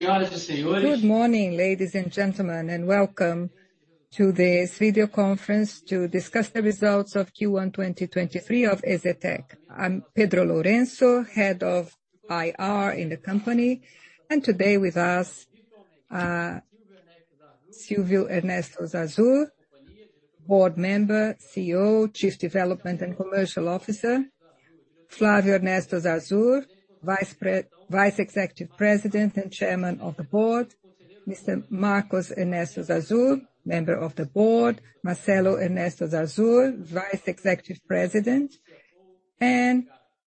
Good morning, ladies and gentlemen, welcome to this video conference to discuss the results of Q1 in 2023 of EZTEC. I'm Pedro Tadeu Lourenço, head of IR in the company. Today with us, Silvio Ernesto Zarzur, Board Member, CEO, Chief Development and Commercial Officer. Flávio Ernesto Zarzur, Vice Executive President and Chairman of the Board. Mr. Marcos Ernesto Zarzur, Member of the Board. Marcelo Ernesto Zarzur, Vice Executive President, and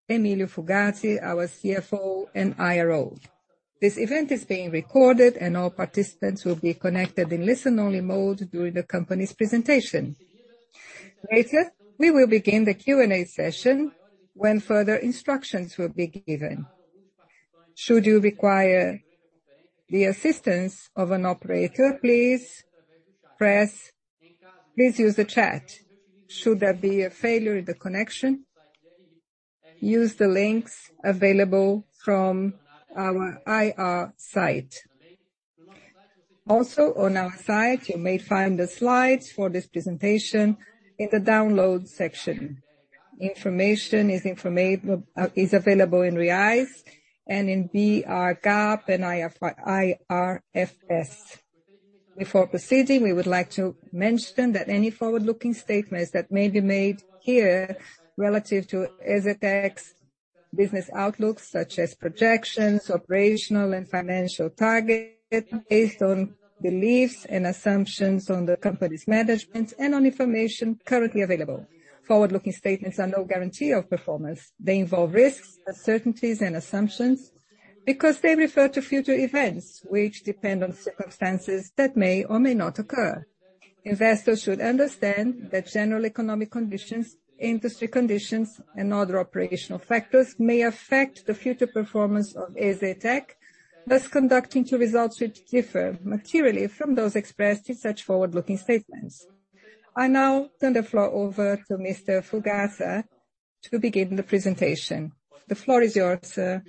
Emílio Fugazza, our CFO and IRO. This event is being recorded, all participants will be connected in listen-only mode during the company's presentation. Later, we will begin the Q&A session when further instructions will be given. Should you require the assistance of an operator, please use the chat. Should there be a failure in the connection, use the links available from our IR site. Also on our site, you may find the slides for this presentation in the download section. Information is available in Reais and in BR GAAP and IFRS. Before proceeding, we would like to mention that any forward-looking statements that may be made here relative to EZTEC's business outlook, such as projections, operational and financial targets based on beliefs and assumptions on the company's management and on information currently available. Forward-looking statements are no guarantee of performance. They involve risks, uncertainties, and assumptions because they refer to future events, which depend on circumstances that may or may not occur. Investors should understand that general economic conditions, industry conditions, and other operational factors may affect the future performance of EZTEC, thus conducting to results which differ materially from those expressed in such forward-looking statements. I now turn the floor over to Mr. Fugazza to begin the presentation. The floor is yours, sir.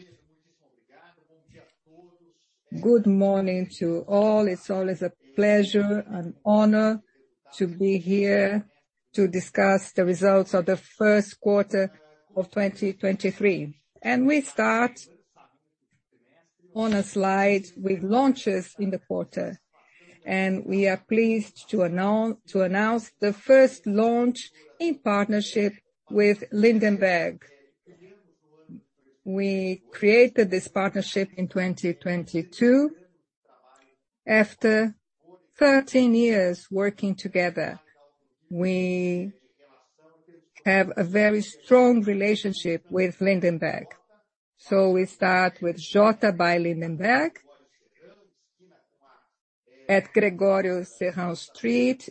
Good morning to all. It's always a pleasure and honor to be here to discuss the results of the 1st quarter of 2023. We start on a slide with launches in the quarter. We are pleased to announce the first launch in partnership with Lindenberg. We created this partnership in 2022. After 13 years working together, we have a very strong relationship with Lindenberg. We start with JOTA by Lindenberg at Rua Gregório Serrão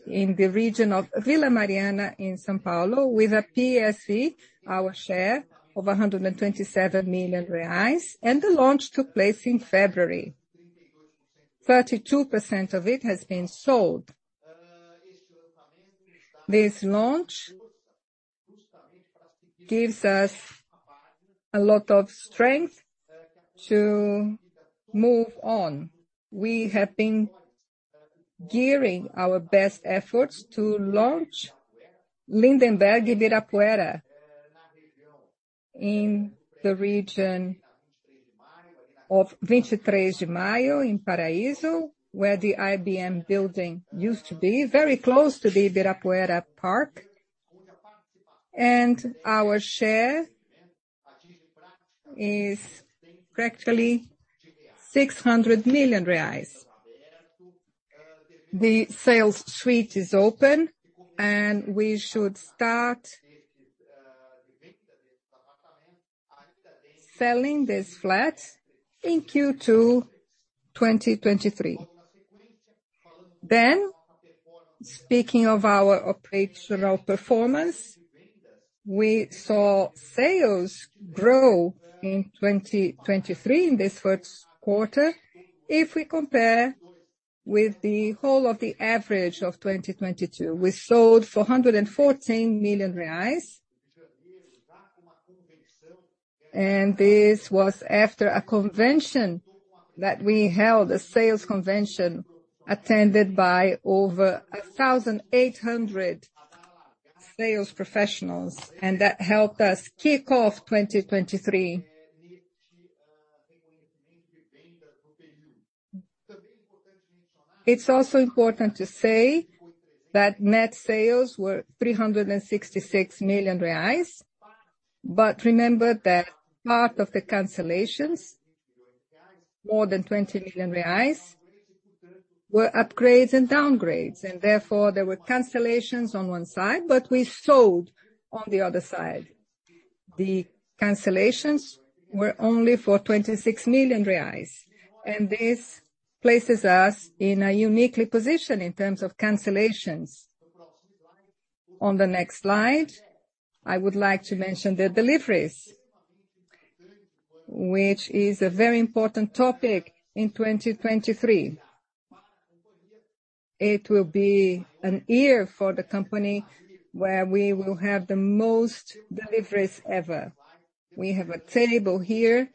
in the region of Vila Mariana in São Paulo with a PSV, our share of 127 million reais. The launch took place in February. 32% of it has been sold. This launch gives us a lot of strength to move on. We have been gearing our best efforts to launch Lindenberg Ibirapuera in the region of Vinte e Três de Maio in Paraíso, where the IBM building used to be, very close to the Ibirapuera Park. Our share is practically 600 million reais. The sales suite is open, and we should start selling these flats in Q2 2023. Speaking of our operational performance, we saw sales grow in 2023 in this first quarter. If we compare with the whole of the average of 2022, we sold for 114 million reais. This was after a convention that we held, a sales convention attended by over 1,800 sales professionals, and that helped us kick off 2023. It's also important to say that net sales were 366 million reais. Remember that part of the cancellations, more than 20 million reais, were upgrades and downgrades. Therefore, there were cancellations on one side, but we sold on the other side. The cancellations were only for 26 million reais. This places us in a uniquely position in terms of cancellations. On the next slide, I would like to mention the deliveries, which is a very important topic in 2023. It will be an year for the company where we will have the most deliveries ever. We have a table here.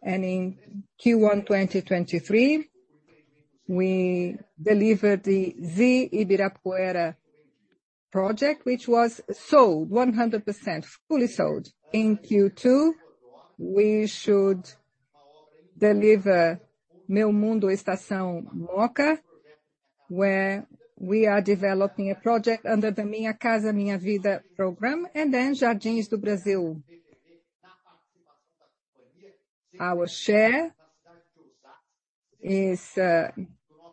In Q1 2023, we delivered the Z Ibirapuera project, which was sold 100%, fully sold. In Q2, we should deliver Meu Mundo Estação Mooca, where we are developing a project under the Minha Casa, Minha Vida program. Then Jardins do Brasil. Our share is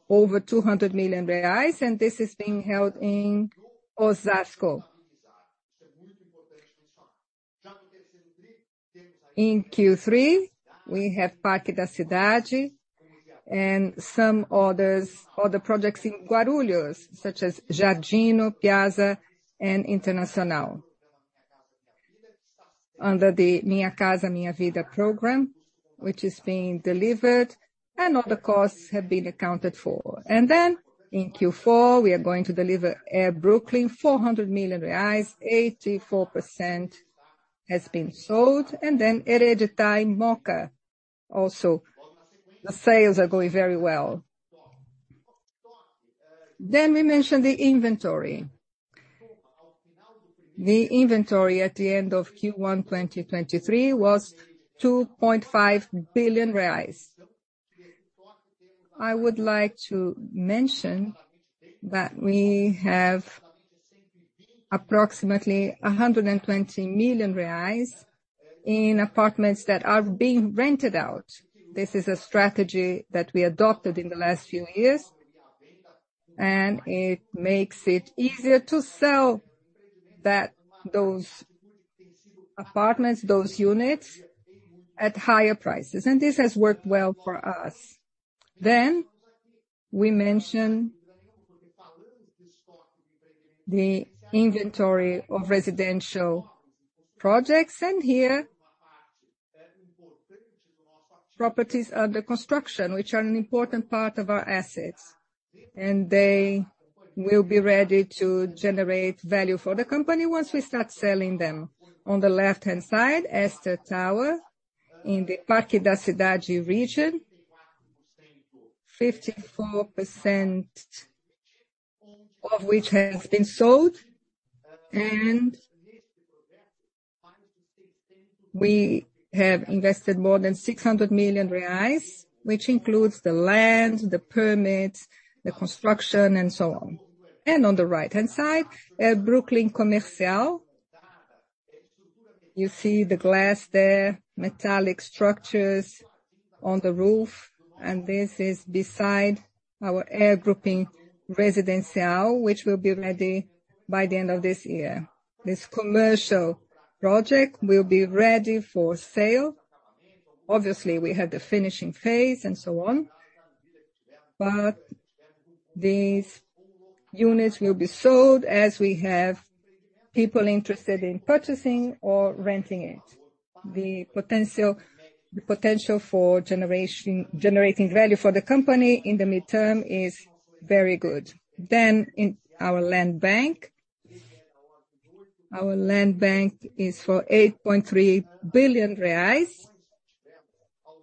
over 200 million reais and this is being held in Osasco. In Q3, we have Parque da Cidade and some other projects in Guarulhos, such as Jardino, Piazza and Internacional under the Minha Casa, Minha Vida program, which is being delivered and all the costs have been accounted for. In Q4 we are going to deliver Air Brooklin, 400 million reais, 84% has been sold. Eredità Mooca also. The sales are going very well. We mention the inventory. The inventory at the end of Q1 2023 was 2.5 billion reais. I would like to mention that we have approximately 120 million reais in apartments that are being rented out. This is a strategy that we adopted in the last few years, it makes it easier to sell those apartments, those units at higher prices. This has worked well for us. We mention the inventory of residential projects, here properties under construction, which are an important part of our assets, they will be ready to generate value for the company once we start selling them. On the left-hand side, Esther Tower in the Parque da Cidade region. 54% of which has been sold. We have invested more than 600 million reais, which includes the land, the permits, the construction and so on. On the right-hand side, Air Brooklyn Commercial. You see the glass there, metallic structures on the roof. This is beside our Air Brooklyn Residencial, which will be ready by the end of this year. This commercial project will be ready for sale. Obviously, we have the finishing phase and so on, but these units will be sold as we have people interested in purchasing or renting it. The potential, the potential for generating value for the company in the midterm is very good. In our land bank. Our land bank is for 8.3 billion reais.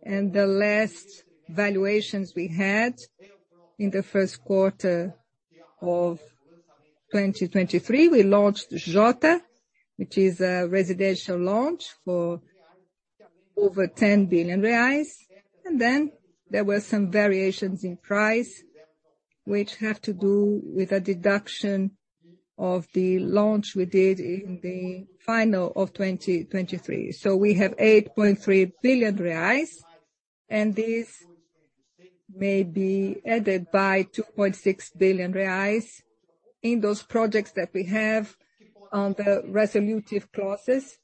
The last valuations we had in the first quarter of 2023, we launched JOTA, which is a residential launch for over 10 billion reais. There were some variations in price which have to do with a deduction of the launch we did in the final of 2023. We have 8.3 billion reais, and this may be added by 2.6 billion reais in those projects that we have under resolutive clauses,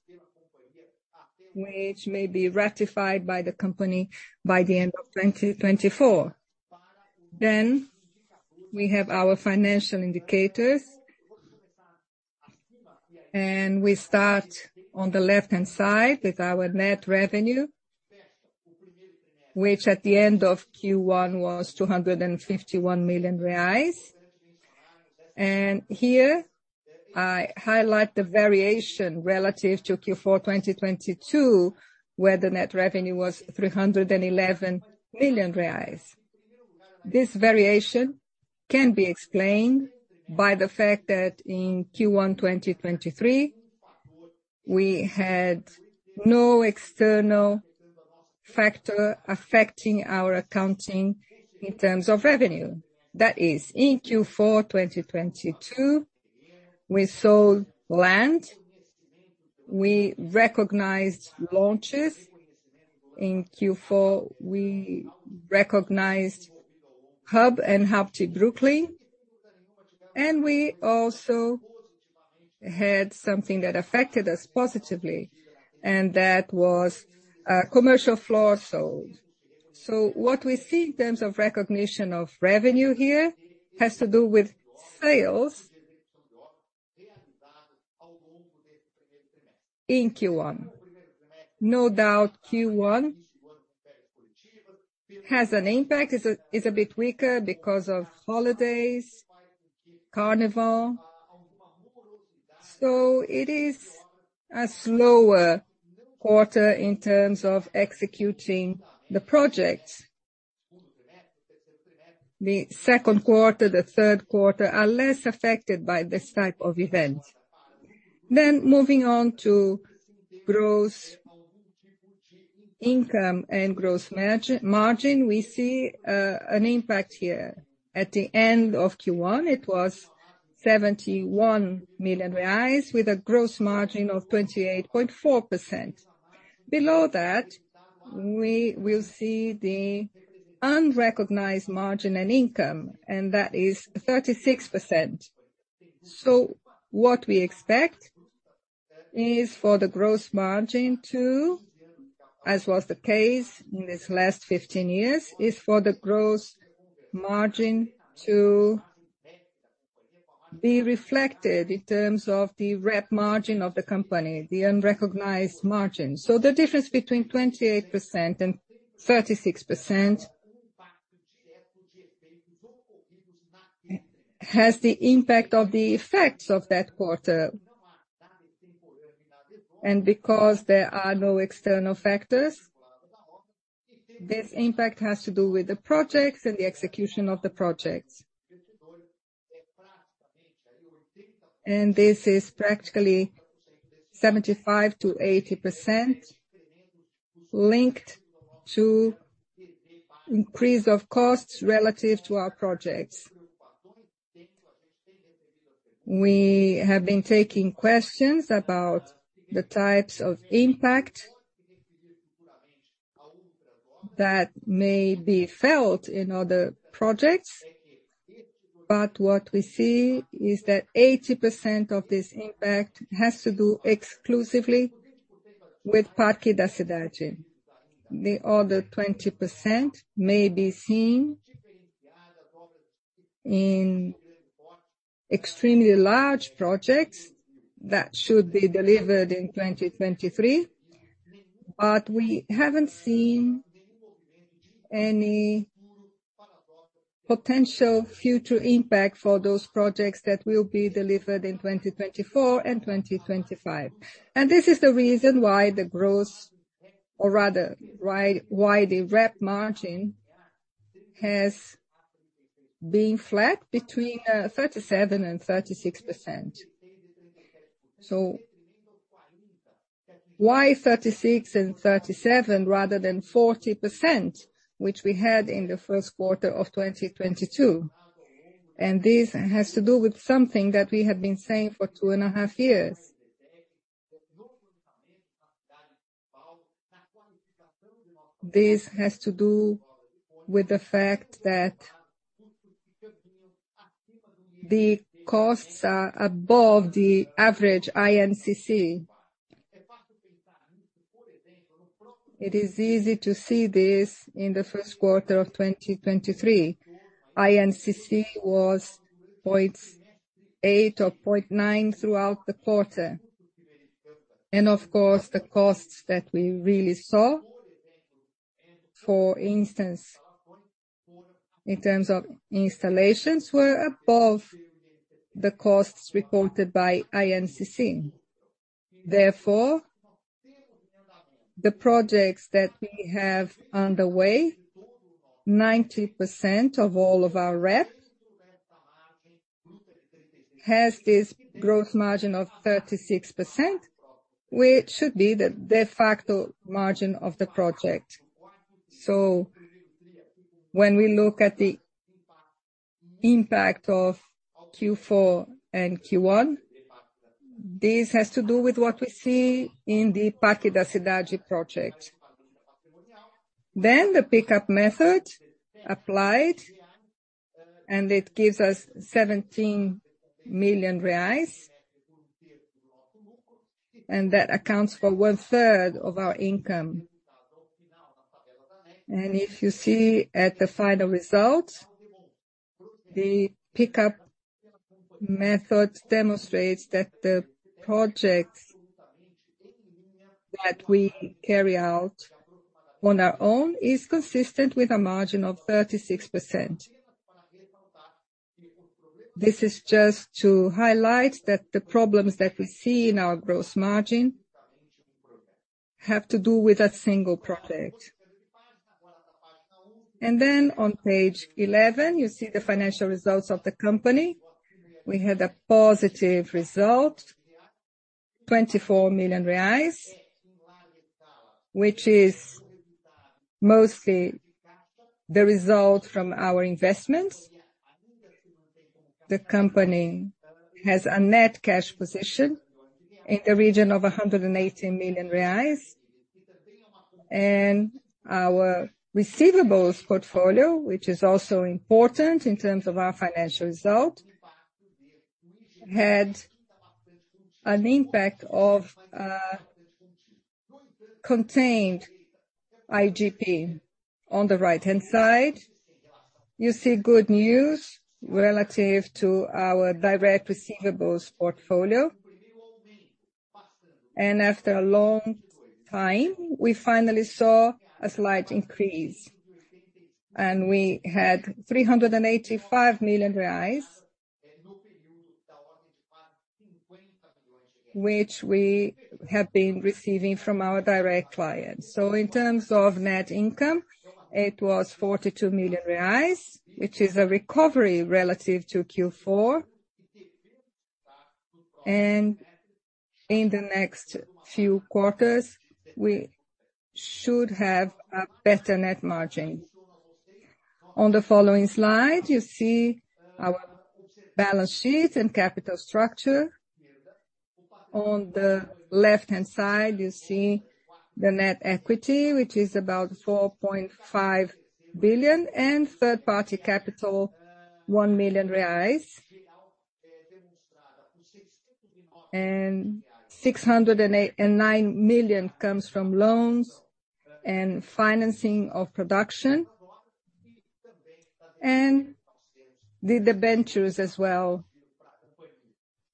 which may be ratified by the company by the end of 2024. We have our financial indicators. We start on the left-hand side with our net revenue, which at the end of Q1 was 251 million reais. Here I highlight the variation relative to Q4 2022, where the net revenue was 311 million reais. This variation can be explained by the fact that in Q1 2023, we had no external factor affecting our accounting in terms of revenue. That is, in Q4 2022, we sold land, we recognized launches. In Q4, we recognized Hub and Hub T Brooklyn, and we also had something that affected us positively, and that was commercial floor sold. What we see in terms of recognition of revenue here has to do with sales in Q1. No doubt, Q1 has an impact. It's a bit weaker because of holidays, Carnival. It is a slower quarter in terms of executing the projects. The second quarter, the third quarter are less affected by this type of event. Moving on to gross income and gross margin, we see an impact here. At the end of Q1, it was 71 million reais with a gross margin of 28.4%. Below that, we will see the unrecognized margin and income, and that is 36%. What we expect, as was the case in this last 15 years, is for the gross margin to be reflected in terms of the rev margin of the company, the unrecognized margin. The difference between 28% and 36% has the impact of the effects of that quarter. Because there are no external factors, this impact has to do with the projects and the execution of the projects. This is practically 75%-80% linked to increase of costs relative to our projects. We have been taking questions about the types of impact that may be felt in other projects. What we see is that 80% of this impact has to do exclusively with Parque da Cidade. The other 20% may be seen in extremely large projects that should be delivered in 2023. We haven't seen any potential future impact for those projects that will be delivered in 2024 and 2025. This is the reason why the gross or rather why the rev margin has been flat between 37% and 36%. Why 36% and 37% rather than 40%, which we had in the first quarter of 2022? This has to do with something that we have been saying for 2.5 years. This has to do with the fact that the costs are above the average INCC. It is easy to see this in the first quarter of 2023. INCC was 0.8 or 0.9 throughout the quarter. Of course, the costs that we really saw, for instance, in terms of installations, were above the costs reported by INCC. The projects that we have underway, 90% of all of our rev has this gross margin of 36%, which should be the de facto margin of the project. When we look at the impact of Q4 and Q1, this has to do with what we see in the Parque da Cidade project. The pick-up method applied, and it gives us 17 million reais, and that accounts for one-third of our income. If you see at the final result, the pick-up method demonstrates that the projects that we carry out on our own is consistent with a margin of 36%. This is just to highlight that the problems that we see in our gross margin have to do with a single project. On page 11, you see the financial results of the company. We had a positive result, 24 million reais, which is mostly the result from our investments. The company has a net cash position in the region of 180 million reais. Our receivables portfolio, which is also important in terms of our financial result, had an impact of contained IGP on the right-hand side. You see good news relative to our direct receivables portfolio. After a long time, we finally saw a slight increase. We had BRL 385 million, which we have been receiving from our direct clients. In terms of net income, it was 42 million reais, which is a recovery relative to Q4. In the next few quarters, we should have a better net margin. On the following slide, you see our balance sheet and capital structure. On the left-hand side, you see the net equity, which is about 4.5 billion, and third-party capital, 1 million reais. 9 million comes from loans and financing of production. The debentures as well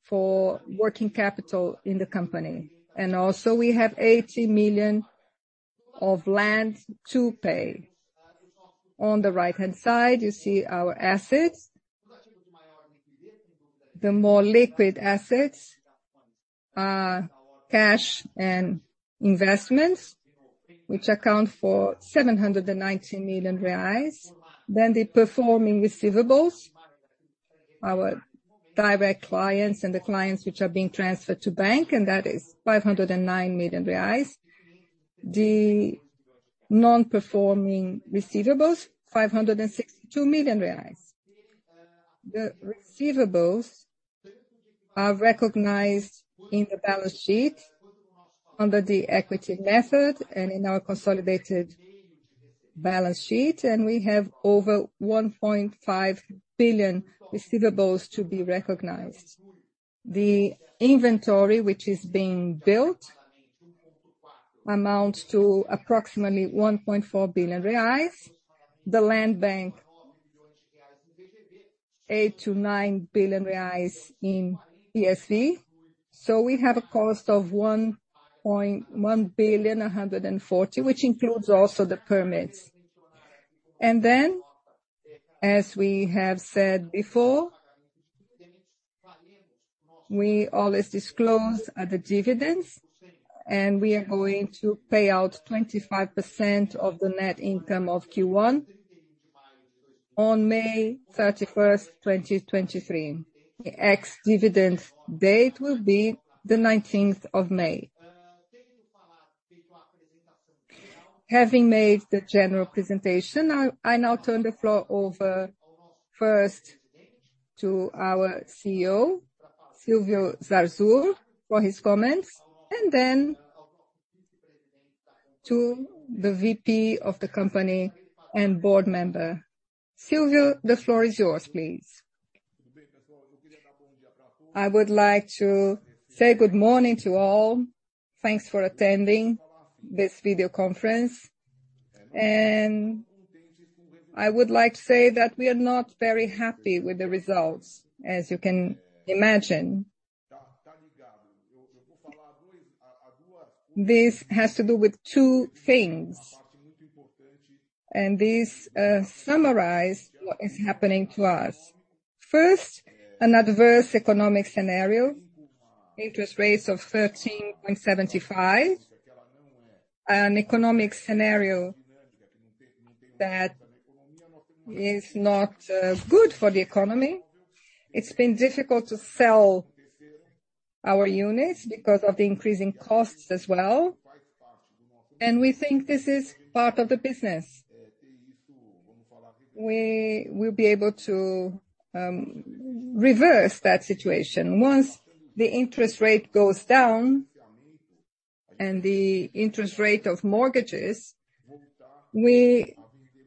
for working capital in the company. Also we have 80 million of land to pay. On the right-hand side, you see our assets. The more liquid assets are cash and investments, which account for 719 million reais. The performing receivables, our direct clients and the clients which are being transferred to bank, and that is 509 million reais. The non-performing receivables, 562 million reais. The receivables are recognized in the balance sheet under the equity method and in our consolidated balance sheet, and we have over 1.5 billion receivables to be recognized. The inventory which is being built amounts to approximately 1.4 billion reais. The land bank, 8 billion-9 billion reais in EZTEC. We have a cost of 1.14 billion, which includes also the permits. As we have said before, we always disclose the dividends, and we are going to pay out 25% of the net income of Q1 on May 31st, 2023. The ex-dividend date will be the 19th of May. Having made the general presentation, I now turn the floor over first to our CEO, Silvio Ernesto Zarzur, for his comments, and then to the VP of the company and board member. Silvio, the floor is yours, please. I would like to say good morning to all. Thanks for attending this video conference. I would like to say that we are not very happy with the results, as you can imagine. This has to do with two things, and these summarize what is happening to us. First, an adverse economic scenario, interest rates of 13.75%, an economic scenario that is not good for the economy. It's been difficult to sell our units because of the increasing costs as well. We think this is part of the business. We will be able to reverse that situation. Once the interest rate goes down and the interest rate of mortgages, we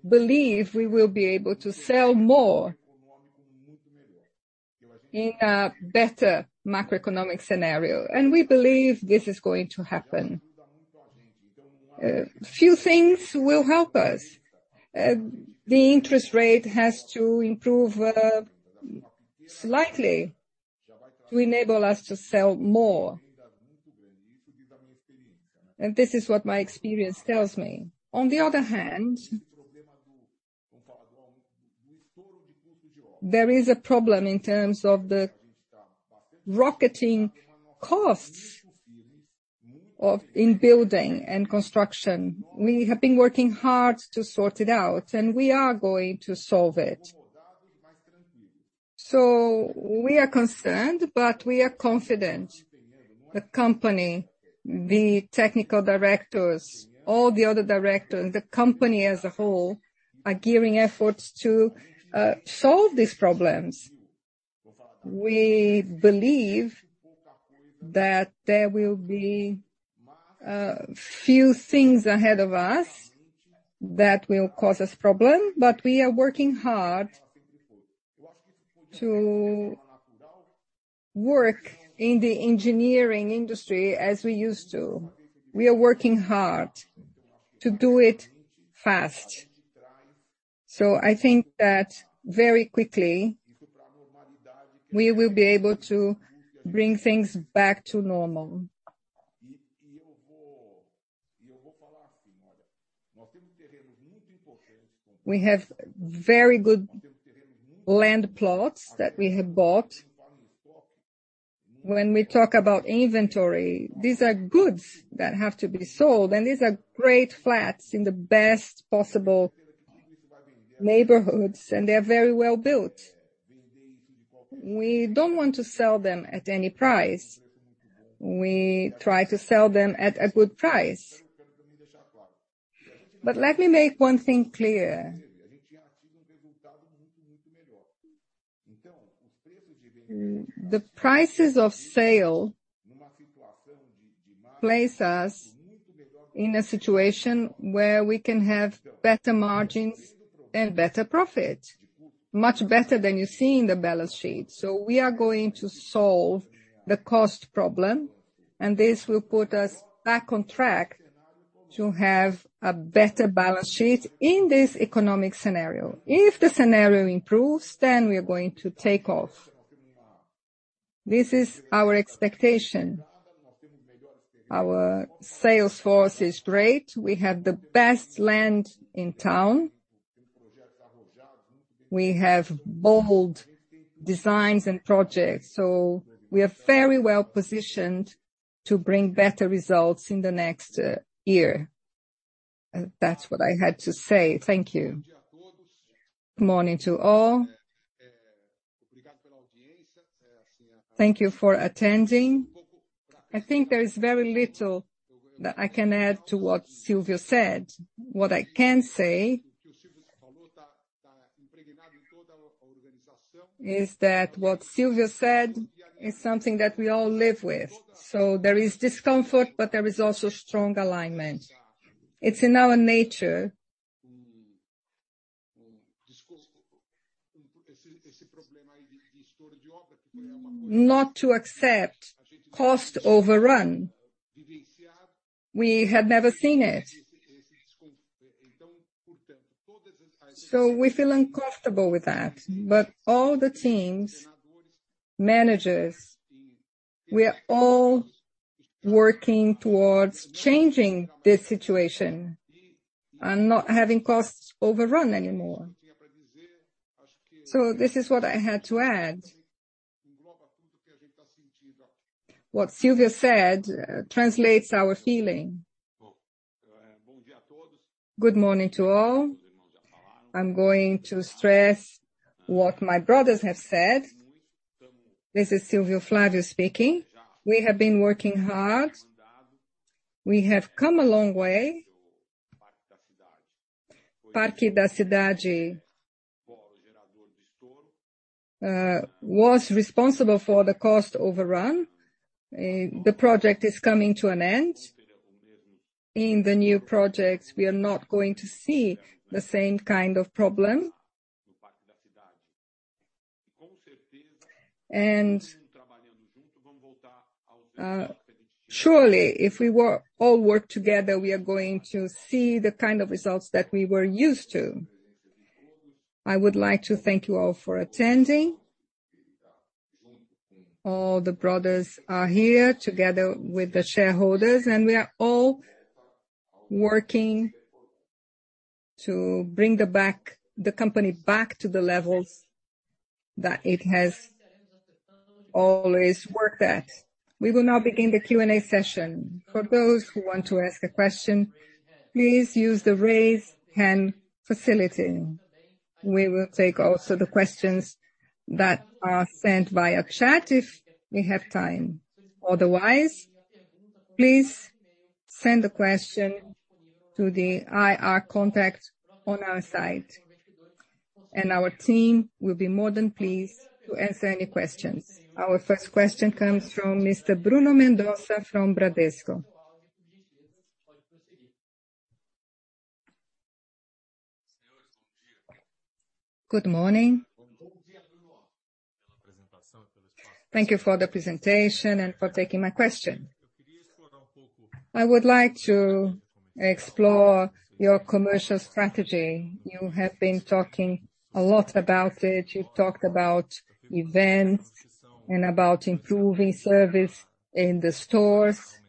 believe we will be able to sell more in a better macroeconomic scenario. We believe this is going to happen. A few things will help us. The interest rate has to improve slightly to enable us to sell more. This is what my experience tells me. On the other hand, there is a problem in terms of the rocketing costs in building and construction. We have been working hard to sort it out, and we are going to solve it. We are concerned, but we are confident the company, the technical directors, all the other directors, the company as a whole are gearing efforts to solve these problems. We believe that there will be a few things ahead of us that will cause us problem, but we are working hard to work in the engineering industry as we used to. We are working hard to do it fast. I think that very quickly, we will be able to bring things back to normal. We have very good land plots that we have bought. When we talk about inventory, these are goods that have to be sold, and these are great flats in the best possible neighborhoods, and they are very well-built. We don't want to sell them at any price. We try to sell them at a good price. Let me make one thing clear. The prices of sale place us in a situation where we can have better margins and better profit. Much better than you see in the balance sheet. We are going to solve the cost problem, and this will put us back on track to have a better balance sheet in this economic scenario. If the scenario improves, then we are going to take off. This is our expectation. Our sales force is great. We have the best land in town. We have bold designs and projects, we are very well-positioned to bring better results in the next year. That's what I had to say. Thank you. Good morning to all. Thank you for attending. I think there is very little that I can add to what Silvio said. What I can say is that what Silvio said is something that we all live with. There is discomfort, but there is also strong alignment. It's in our nature not to accept cost overrun. We had never seen it, so we feel uncomfortable with that. All the teams, managers, we are all working towards changing this situation and not having costs overrun anymore. This is what I had to add. What Silvio said, translates our feeling. Good morning to all. I'm going to stress what my brothers have said. This is Silvio Flávio speaking. We have been working hard. We have come a long way. Parque da Cidade was responsible for the cost overrun. The project is coming to an end. In the new projects, we are not going to see the same kind of problem. Surely, if we all work together, we are going to see the kind of results that we were used to. I would like to thank you all for attending. All the brothers are here together with the shareholders, and we are all working to bring the company back to the levels that it has always worked at. We will now begin the Q&A session. For those who want to ask a question, please use the Raise Hand facility. We will take also the questions that are sent via chat if we have time. Otherwise, please send the question to the IR contact on our site, and our team will be more than pleased to answer any questions. Our first question comes from Mr. Bruno Mendonça from Bradesco. Good morning. Thank you for the presentation and for taking my question. I would like to explore your commercial strategy. You have been talking a lot about it. You've talked about events and about improving service in the stores.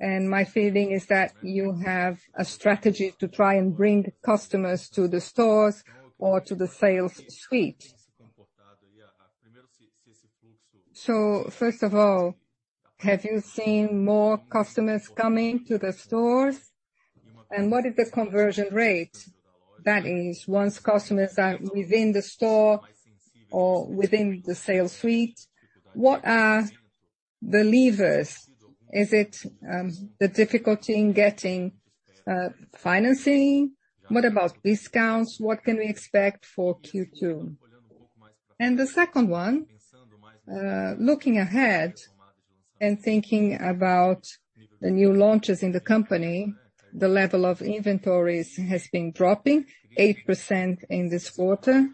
My feeling is that you have a strategy to try and bring customers to the stores or to the sales suite. First of all, have you seen more customers coming to the stores? What is the conversion rate? That is, once customers are within the store or within the sales suite, what are the levers? Is it the difficulty in getting financing? What about discounts? What can we expect for Q2? The second one, looking ahead and thinking about the new launches in the company, the level of inventories has been dropping 8% in this quarter.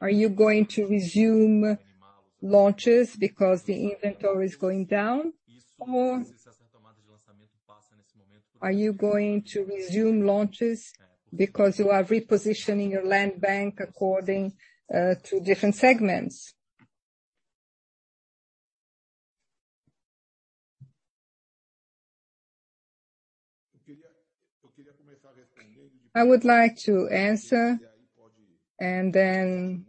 Are you going to resume launches because the inventory is going down? Are you going to resume launches because you are repositioning your land bank according to different segments? I would like to answer and then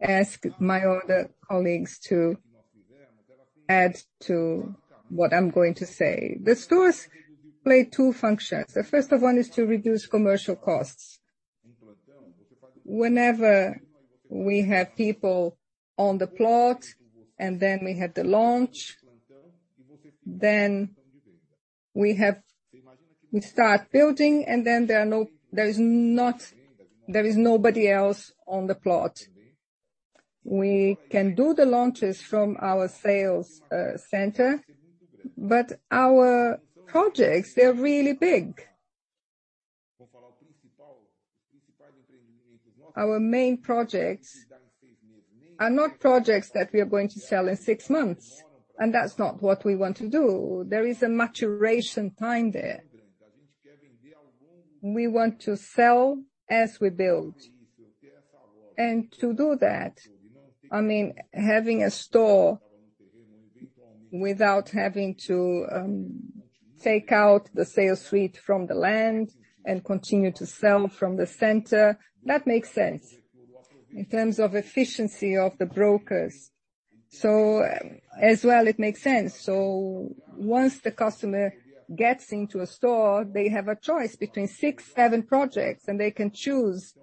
ask my other colleagues to add to what I'm going to say. The stores play two functions. The first one is to reduce commercial costs. Whenever we have people on the plot, and then we have the launch, then we start building, and then there is nobody else on the plot. We can do the launches from our sales center, but our projects, they're really big. Our main projects are not projects that we are going to sell in six months, that's not what we want to do. There is a maturation time there. We want to sell as we build. To do that, I mean, having a store without having to take out the sales suite from the land and continue to sell from the center, that makes sense in terms of efficiency of the brokers. As well, it makes sense. Once the customer gets into a store, they have a choice between six, seven projects, they can choose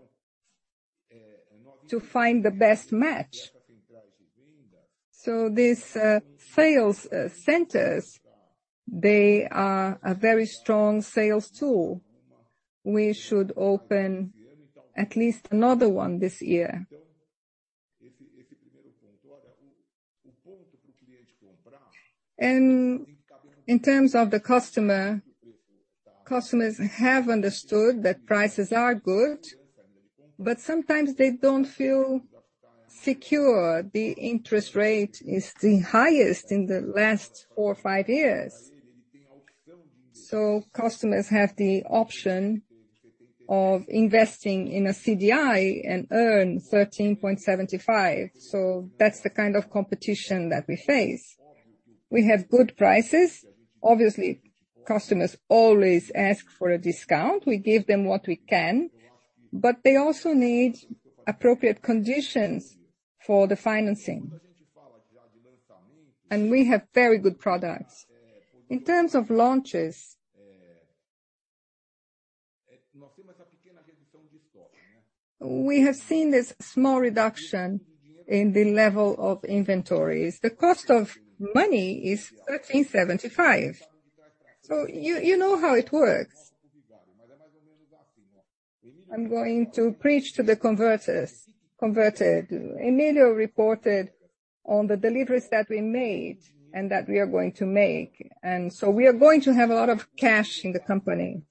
to find the best match. These sales centers, they are a very strong sales tool. We should open at least another one this year. In terms of the customer, customers have understood that prices are good, sometimes they don't feel secure. The interest rate is the highest in the last four or five years. Customers have the option of investing in a CDI and earn 13.75%. That's the kind of competition that we face. We have good prices. Obviously, customers always ask for a discount. We give them what we can, but they also need appropriate conditions for the financing. We have very good products. In terms of launches, we have seen this small reduction in the level of inventories. The cost of money is 13.75%. You know how it works. I'm going to preach to the converted. Emílio reported on the deliveries that we made and that we are going to make. We are going to have a lot of cash in the company.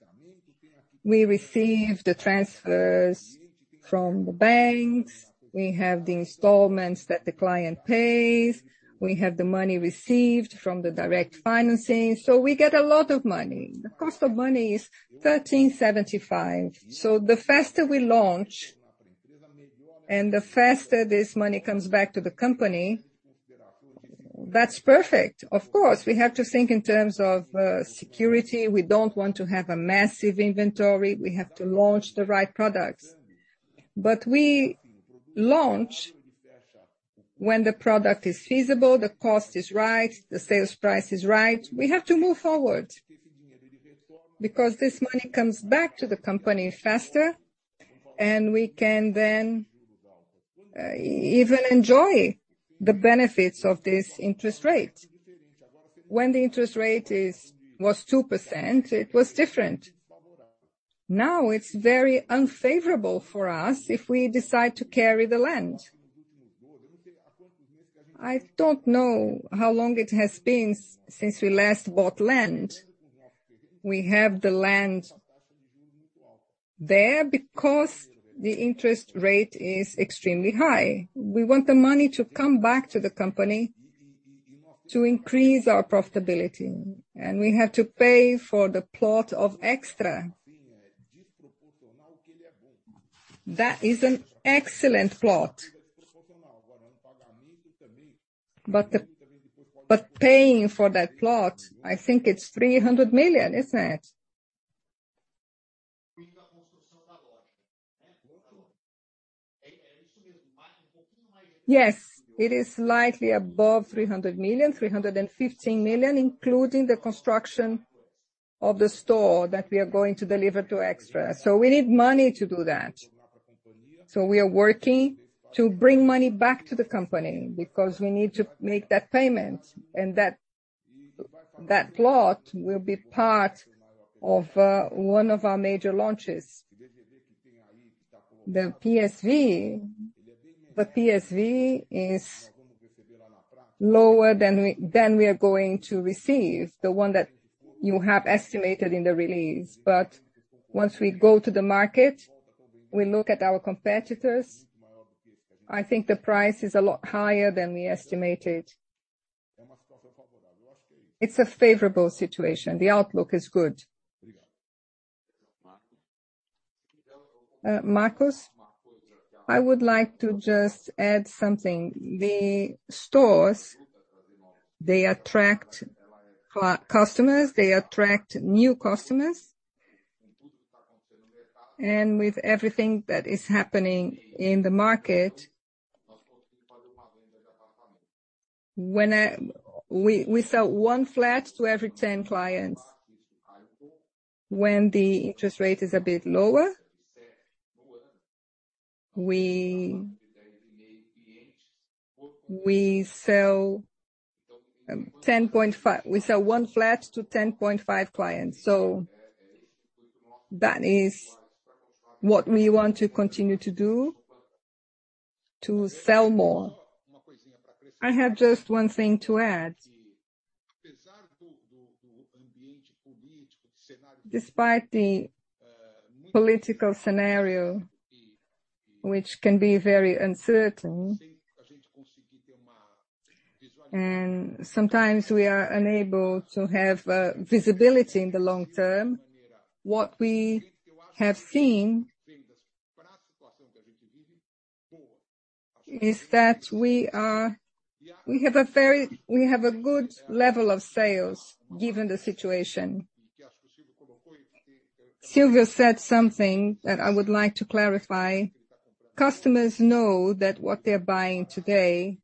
We receive the transfers from the banks, we have the installments that the client pays, we have the money received from the direct financing. We get a lot of money. The cost of money is 13.75%. The faster we launch and the faster this money comes back to the company, that's perfect. Of course, we have to think in terms of security. We don't want to have a massive inventory. We have to launch the right products. We launch when the product is feasible, the cost is right, the sales price is right. We have to move forward because this money comes back to the company faster, and we can then even enjoy the benefits of this interest rate. When the interest rate was 2%, it was different. Now it's very unfavorable for us if we decide to carry the land. I don't know how long it has been since we last bought land. We have the land there because the interest rate is extremely high. We want the money to come back to the company to increase our profitability, and we have to pay for the plot of Extra. That is an excellent plot. Paying for that plot, I think it's 300 million, isn't it? Yes. It is slightly above 300 million, 315 million, including the construction of the store that we are going to deliver to Extra. We need money to do that. We are working to bring money back to the company because we need to make that payment and That plot will be part of one of our major launches. The PSV is lower than we are going to receive, the one that you have estimated in the release. Once we go to the market, we look at our competitors, I think the price is a lot higher than we estimated. It's a favorable situation. The outlook is good. Markus. Markus, I would like to just add something. The stores, they attract customers, they attract new customers. With everything that is happening in the market, when we sell one flat to every 10 clients. When the interest rate is a bit lower, we sell 1 flat to 10.5 clients. That is what we want to continue to do to sell more. I have just 1 thing to add. Despite the political scenario, which can be very uncertain, and sometimes we are unable to have visibility in the long term, what we have seen is that we have a good level of sales given the situation. Silvio said something that I would like to clarify. Customers know that what they're buying today,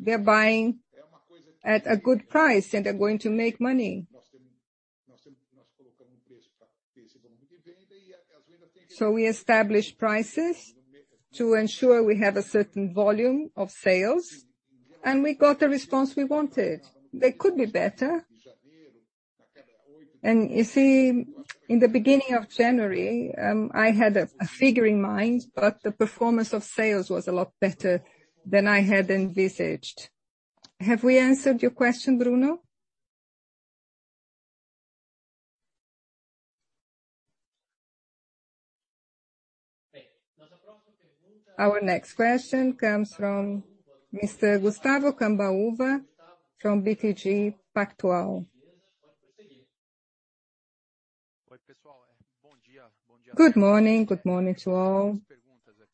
they're buying at a good price and they're going to make money. We establish prices to ensure we have a certain volume of sales, and we got the response we wanted. They could be better. You see, in the beginning of January, I had a figure in mind, but the performance of sales was a lot better than I had envisaged. Have we answered your question, Bruno? Our next question comes from Mr. Gustavo Cambauva from BTG Pactual. Good morning. Good morning to all.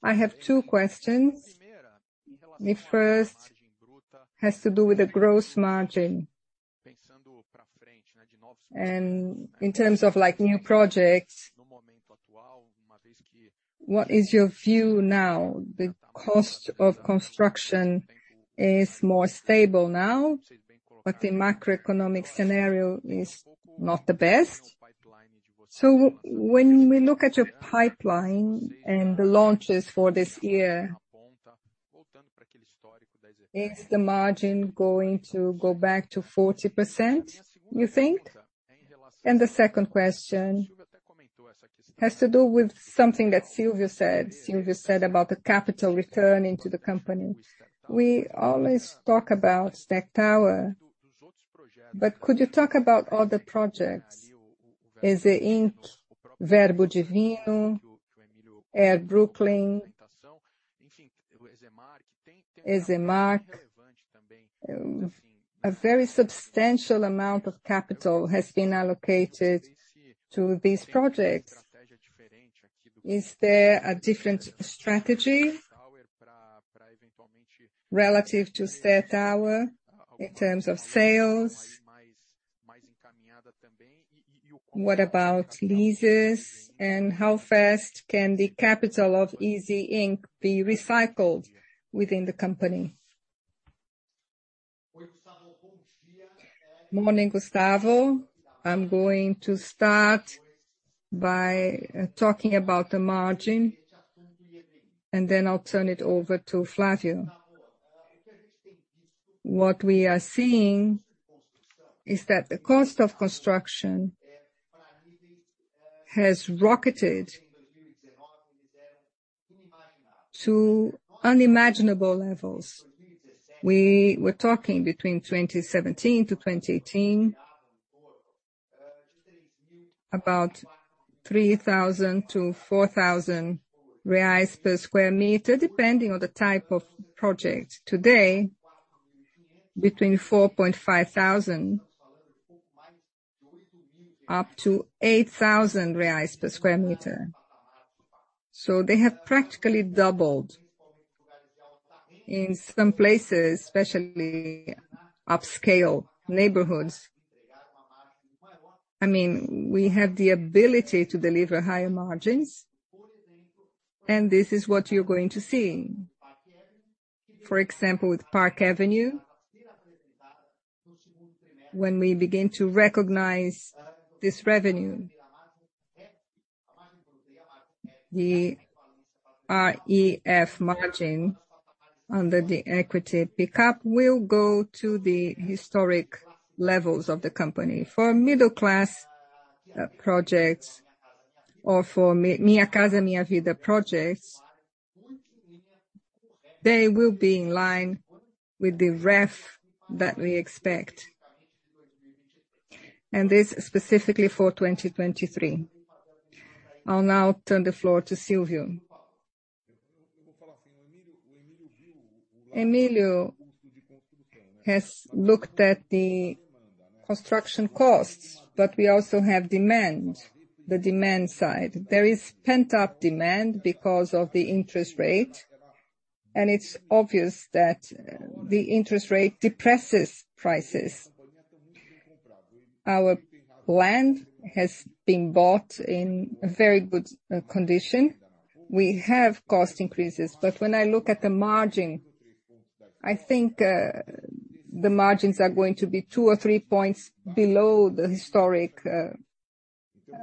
I have two questions. The first has to do with the gross margin. In terms of like new projects, what is your view now? The cost of construction is more stable now, but the macroeconomic scenario is not the best. When we look at your pipeline and the launches for this year, is the margin going to go back to 40%, you think? The second question has to do with something that Silvio said. Silvio said about the capital returning to the company. We always talk about Stack Tower. Could you talk about other projects? EZ Inc, Verbo Divino, Air Brooklin, EZ Marc. A very substantial amount of capital has been allocated to these projects. Is there a different strategy relative to Stack Tower in terms of sales? How fast can the capital of EZ Inc. be recycled within the company? Morning, Gustavo. I'm going to start by talking about the margin, and then I'll turn it over to Flávio. What we are seeing is that the cost of construction has rocketed to unimaginable levels. We were talking between 2017-2018, about 3,000-4,000 reais per sq meter, depending on the type of project. Today, between BRL 4,500-BRL 8,000 per sq meter. They have practically doubled in some places, especially upscale neighborhoods. I mean, we have the ability to deliver higher margins, and this is what you're going to see. For example, with Park Avenue, when we begin to recognize this revenue, the EF margin under the equity pickup will go to the historic levels of the company. For middle class projects or for Minha Casa, Minha Vida projects, they will be in line with the ref that we expect. This specifically for 2023. I'll now turn the floor to Silvio. Emilio has looked at the construction costs, but we also have demand, the demand side. There is pent-up demand because of the interest rate, and it's obvious that the interest rate depresses prices. Our land has been bought in very good condition. We have cost increases, but when I look at the margin, I think the margins are going to be two or three points below the historic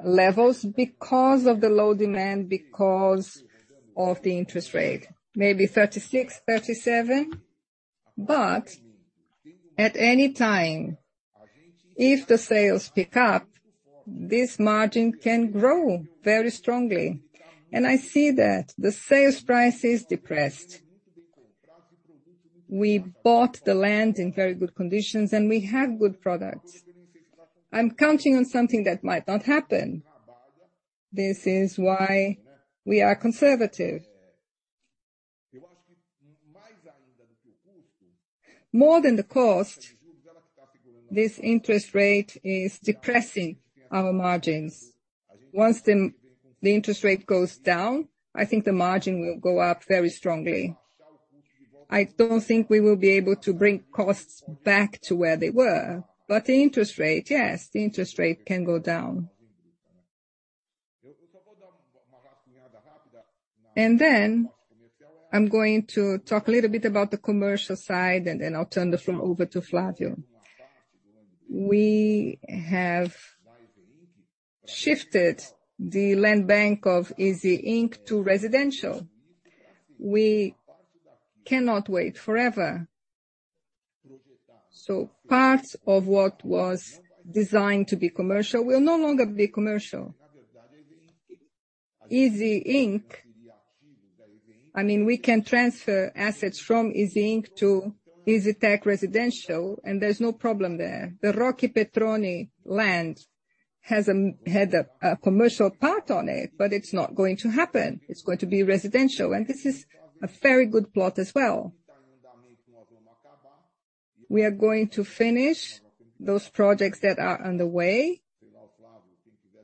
levels because of the low demand, because of the interest rate. Maybe 36%, 37%. But at any time, if the sales pick up, this margin can grow very strongly. I see that the sales price is depressed. We bought the land in very good conditions. We have good products. I'm counting on something that might not happen. This is why we are conservative. More than the cost, this interest rate is depressing our margins. Once the interest rate goes down, I think the margin will go up very strongly. I don't think we will be able to bring costs back to where they were. The interest rate, yes, the interest rate can go down. Then I'm going to talk a little bit about the commercial side, and then I'll turn the floor over to Flávio. We have shifted the land bank of EZ Inc. to residential. We cannot wait forever. Parts of what was designed to be commercial will no longer be commercial. EZ Inc., I mean, we can transfer assets from EZ Inc. to EZTEC Residential, and there's no problem there. The Roque Petroni land has had a commercial part on it, but it's not going to happen. It's going to be residential, and this is a very good plot as well. We are going to finish those projects that are underway.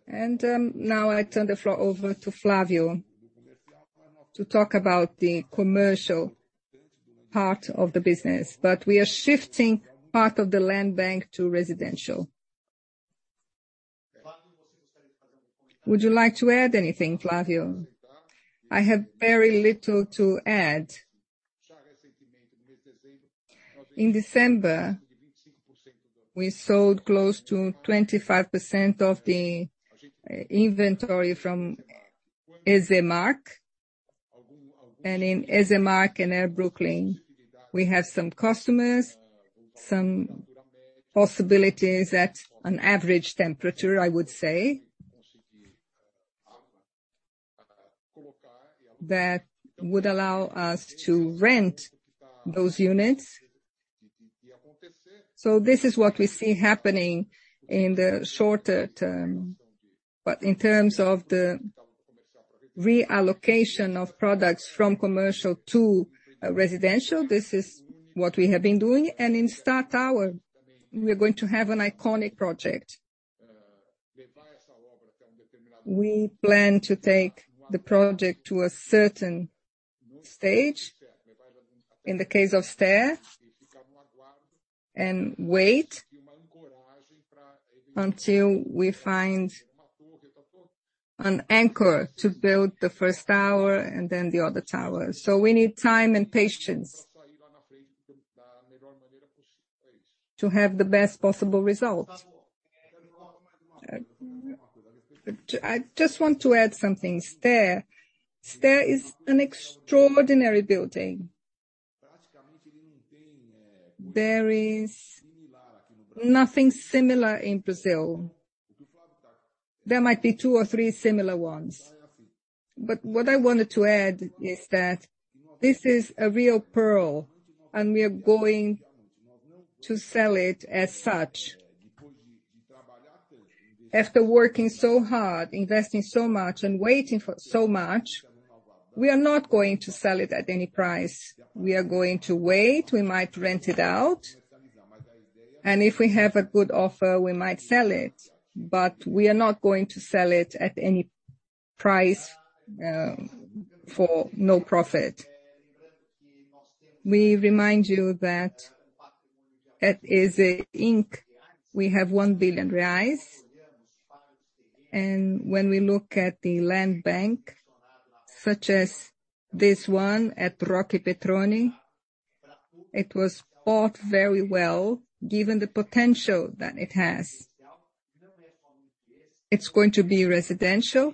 Now I turn the floor over to Flávio to talk about the commercial part of the business. We are shifting part of the land bank to residential. Would you like to add anything, Flávio? I have very little to add. In December, we sold close to 25% of the inventory from EZ MARK. In EZ MARK and Air Brooklin, we have some customers, some possibilities at an average temperature, I would say, that would allow us to rent those units. This is what we see happening in the shorter term. In terms of the reallocation of products from commercial to residential, this is what we have been doing. In Esther Towers, we're going to have an iconic project. We plan to take the project to a certain stage, in the case of Esther Towers, and wait until we find an anchor to build the first tower and then the other towers. We need time and patience to have the best possible result. I just want to add something. Esther Towers is an extraordinary building. There is nothing similar in Brazil. There might be two or three similar ones. What I wanted to add is that this is a real pearl, and we are going to sell it as such. After working so hard, investing so much, and waiting for so much, we are not going to sell it at any price. We are going to wait. We might rent it out. If we have a good offer, we might sell it. We are not going to sell it at any price for no profit. We remind you that at EZ Inc., we have 1 billion reais. When we look at the land bank, such as this one at Roque Petroni. It was bought very well given the potential that it has. It's going to be residential.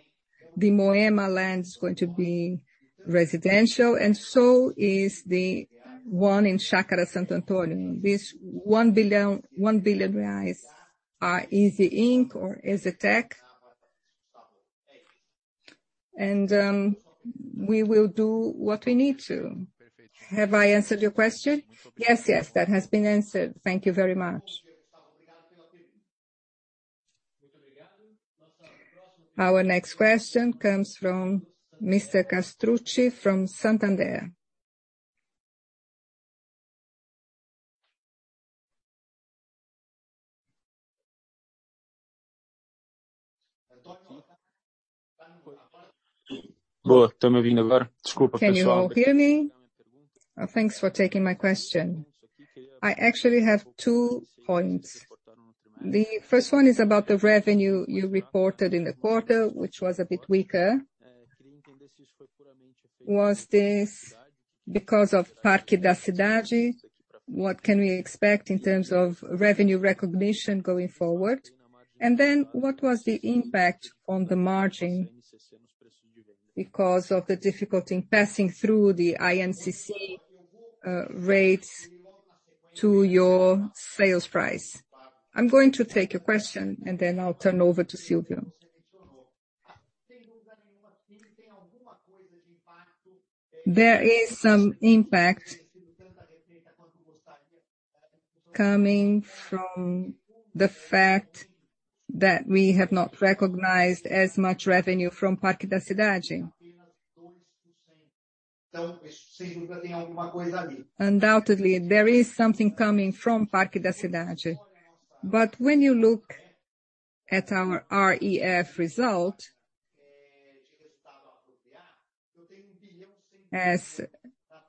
The Moema land is going to be residential, and so is the one in Chácara Santo Antônio. This 1 billion are EZ Inc. or EZTEC. We will do what we need to. Have I answered your question? Yes. Yes, that has been answered. Thank you very much. Our next question comes from Mr. Castrucci from Santander. Can you all hear me? Thanks for taking my question. I actually have two points. The first one is about the revenue you reported in the quarter, which was a bit weaker. Was this because of Parque da Cidade? What can we expect in terms of revenue recognition going forward? What was the impact on the margin because of the difficulty in passing through the INCC rates to your sales price? I'm going to take a question, and then I'll turn over to Silvio. There is some impact coming from the fact that we have not recognized as much revenue from Parque da Cidade. Undoubtedly, there is something coming from Parque da Cidade. When you look at our REF result, as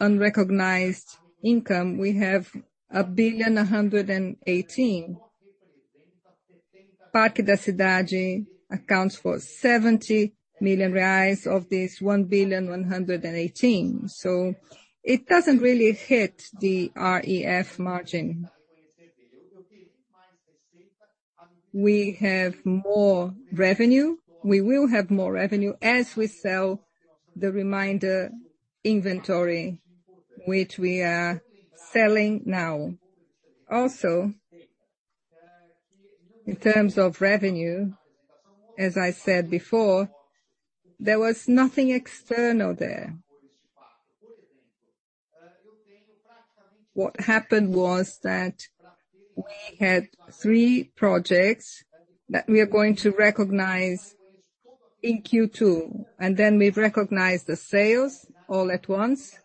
unrecognized income, we have 1,118 million. Parque da Cidade accounts for 70 million reais of this 1,118 million. It doesn't really hit the REF margin. We have more revenue. We will have more revenue as we sell the remainder inventory which we are selling now. In terms of revenue, as I said before, there was nothing external there. What happened was that we had three projects that we are going to recognize in Q2, and then we've recognized the sales all at once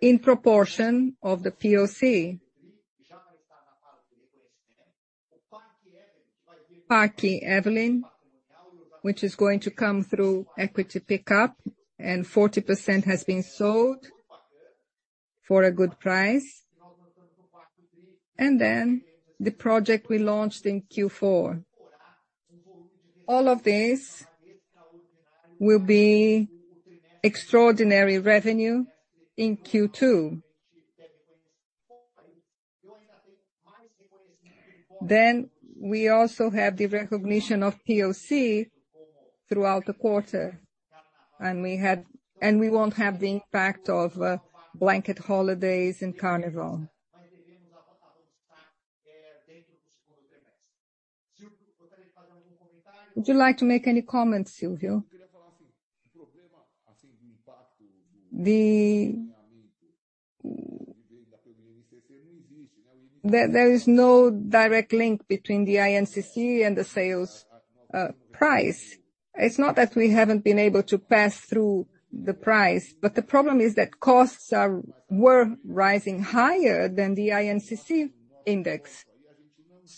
in proportion of the POC. Parque Evelyn, which is going to come through equity pickup, and 40% has been sold for a good price. The project we launched in Q4. All of this will be extraordinary revenue in Q2. We also have the recognition of POC throughout the quarter, and we won't have the impact of blanket holidays and Carnival. Would you like to make any comments, Silvio? There is no direct link between the INCC and the sales price. It's not that we haven't been able to pass through the price, but the problem is that costs were rising higher than the INCC index.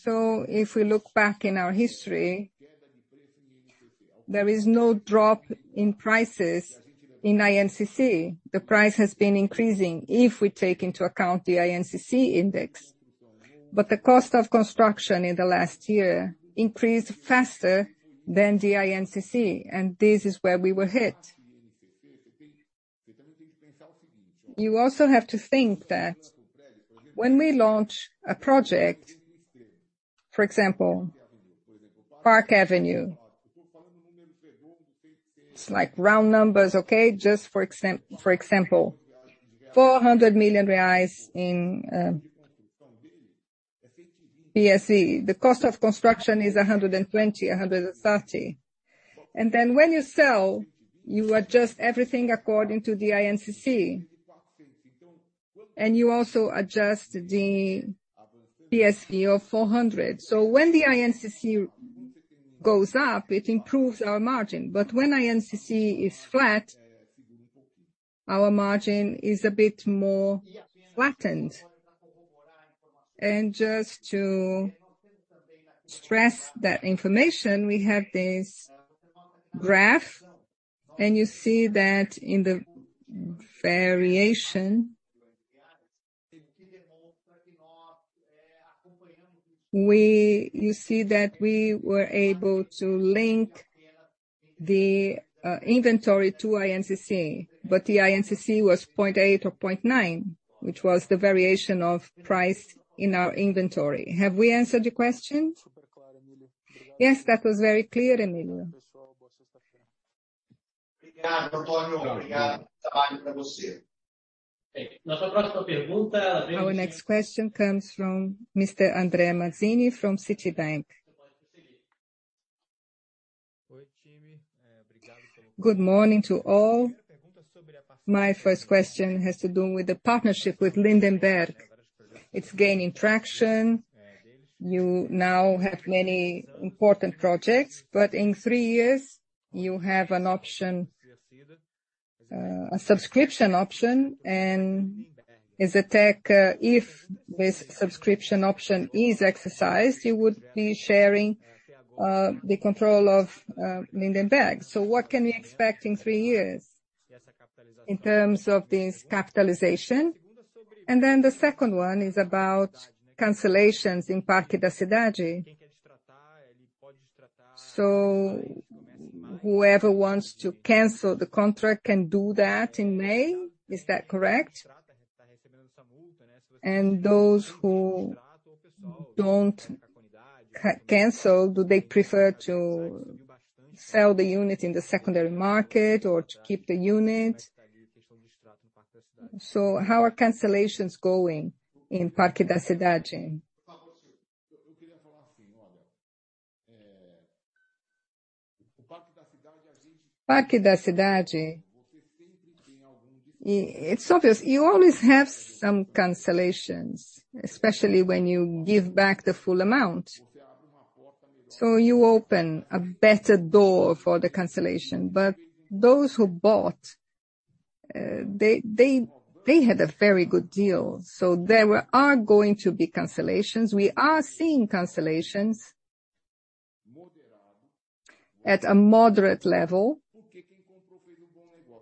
If we look back in our history, there is no drop in prices in INCC. The price has been increasing if we take into account the INCC index. The cost of construction in the last year increased faster than the INCC, and this is where we were hit. You also have to think that when we launch a project, for example, Park Avenue. It's like round numbers, okay, just for example, 400 million reais in PSE. The cost of construction is 120 million-130 million. When you sell, you adjust everything according to the INCC. You also adjust the PSE of 400 million. When the INCC goes up, it improves our margin. When INCC is flat, our margin is a bit more flattened. Just to stress that information, we have this graph, and you see that in the variation, you see that we were able to link the inventory to INCC, but the INCC was 0.8 or 0.9, which was the variation of price in our inventory. Have we answered your question? Super clear, Emílio. Yes, that was very clear, Emílio. Our next question comes from Mr. André Mazini from Citibank. Good morning to all. My first question has to do with the partnership with Lindenberg. It's gaining traction. You now have many important projects, but in three years you have an option, a subscription option. EZTEC, if this subscription option is exercised, you would be sharing the control of Lindenberg. What can we expect in three years in terms of this capitalization? The second one is about cancellations in Parque da Cidade. Whoever wants to cancel the contract can do that in May, is that correct? Those who don't cancel, do they prefer to sell the unit in the secondary market or to keep the unit? How are cancellations going in Parque da Cidade? Parque da Cidade, it's obvious you always have some cancellations, especially when you give back the full amount. You open a better door for the cancellation. Those who bought, they had a very good deal. There are going to be cancellations. We are seeing cancellations at a moderate level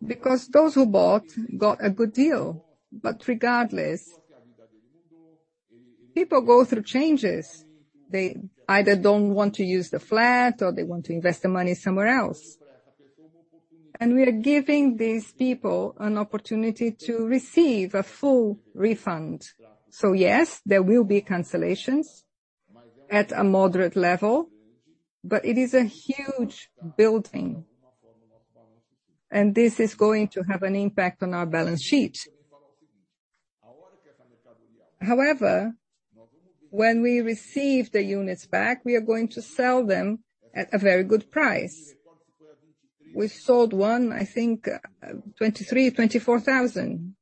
because those who bought got a good deal. Regardless, people go through changes. They either don't want to use the flat or they want to invest the money somewhere else. We are giving these people an opportunity to receive a full refund. Yes, there will be cancellations at a moderate level, but it is a huge building, and this is going to have an impact on our balance sheet. However, when we receive the units back, we are going to sell them at a very good price. We sold one, I think, 23,000-24,000.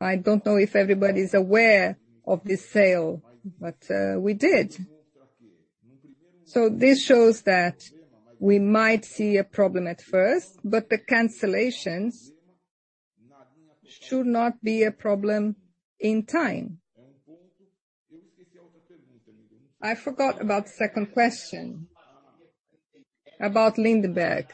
I don't know if everybody's aware of this sale, but we did. This shows that we might see a problem at first, but the cancellations should not be a problem in time. I forgot about the second question. About Lindenberg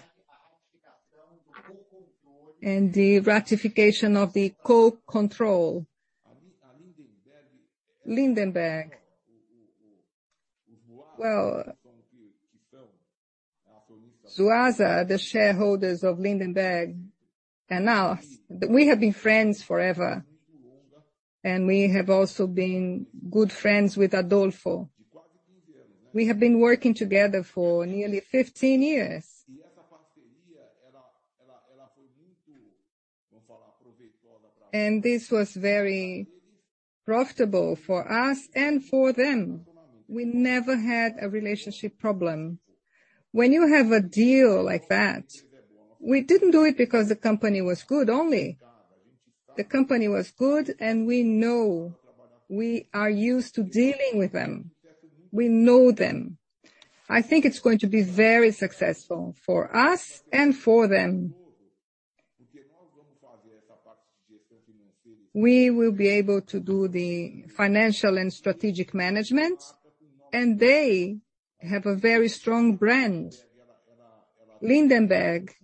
and the ratification of the co-control. Lindenberg. Well, Suaza, the shareholders of Lindenberg and us, we have been friends forever, and we have also been good friends with Adolfo. We have been working together for nearly 15 years. This was very profitable for us and for them. We never had a relationship problem. When you have a deal like that, we didn't do it because the company was good only. The company was good and we know. We are used to dealing with them. We know them. I think it's going to be very successful for us and for them. We will be able to do the financial and strategic management, and they have a very strong brand. Lindenberg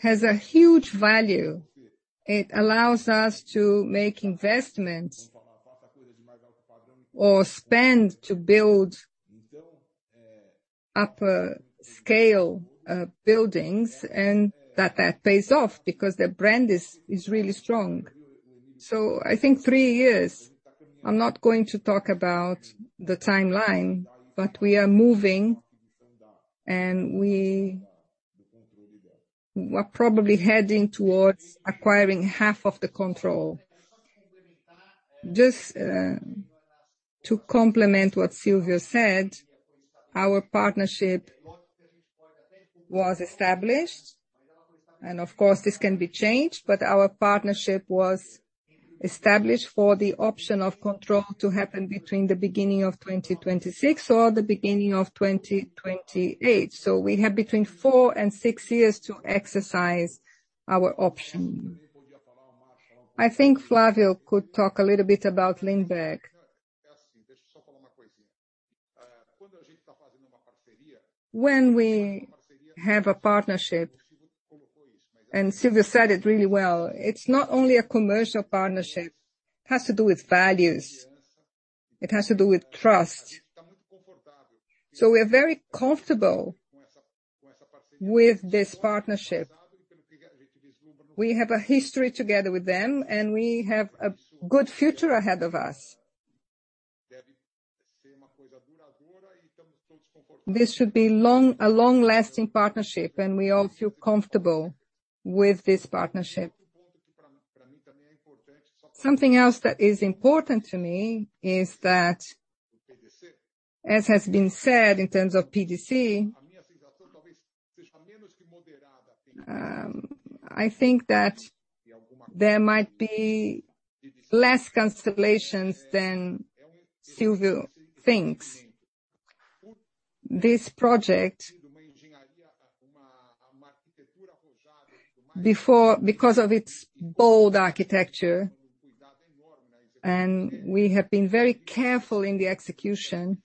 has a huge value. It allows us to make investments or spend to build upper scale buildings and that pays off because their brand is really strong. I think three years, I'm not going to talk about the timeline, but we are moving and we are probably heading towards acquiring half of the control. Just to complement what Silvio said, our partnership was established and of course this can be changed, but our partnership was established for the option of control to happen between the beginning of 2026 or the beginning of 2028. We have between four and six years to exercise our option. I think Flávio could talk a little bit about Lindenberg. When we have a partnership. Silvio said it really well. It's not only a commercial partnership. It has to do with values, it has to do with trust. We're very comfortable with this partnership. We have a history together with them, and we have a good future ahead of us. This should be a long-lasting partnership, and we all feel comfortable with this partnership. Something else that is important to me is that, as has been said in terms of PDC, I think that there might be less Distratos than Silvio thinks. This project, because of its bold architecture, and we have been very careful in the execution,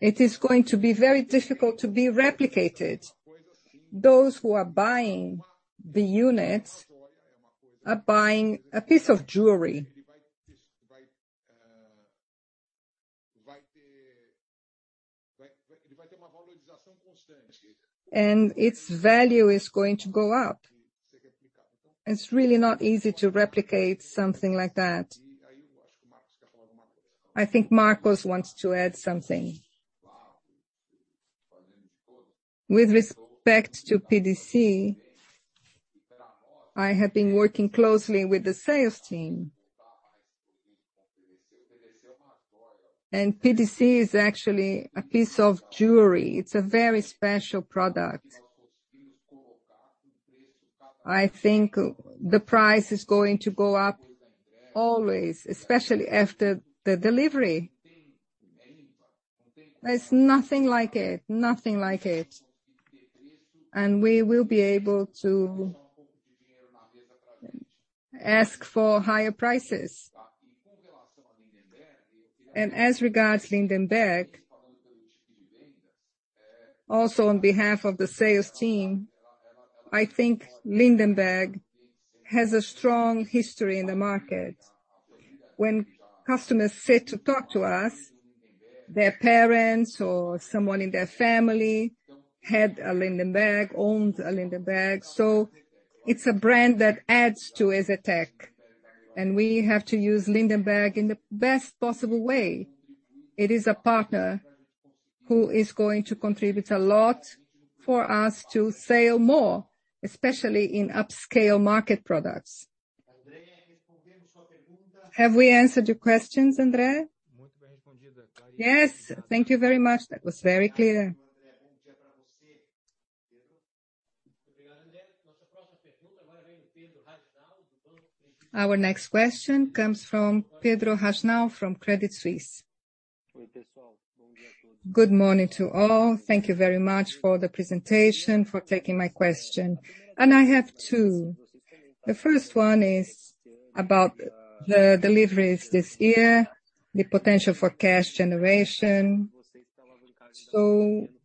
it is going to be very difficult to be replicated. Those who are buying the units are buying a piece of jewelry. Its value is going to go up. It's really not easy to replicate something like that. I think Marcos wants to add something. With respect to PDC, I have been working closely with the sales team. PDC is actually a piece of jewelry. It's a very special product. I think the price is going to go up always, especially after the delivery. There's nothing like it. Nothing like it. We will be able to ask for higher prices. As regards Lindenberg, also on behalf of the sales team, I think Lindenberg has a strong history in the market. When customers sit to talk to us, their parents or someone in their family had a Lindenberg, owned a Lindenberg. It's a brand that adds to EZTEC, and we have to use Lindenberg in the best possible way. It is a partner who is going to contribute a lot for us to sell more, especially in upscale market products. Have we answered your questions, André? Yes, thank you very much. That was very clear. Our next question comes from Pedro Reinold from Credit Suisse. Good morning to all. Thank you very much for the presentation, for taking my question. I have two. The first one is about the deliveries this year, the potential for cash generation.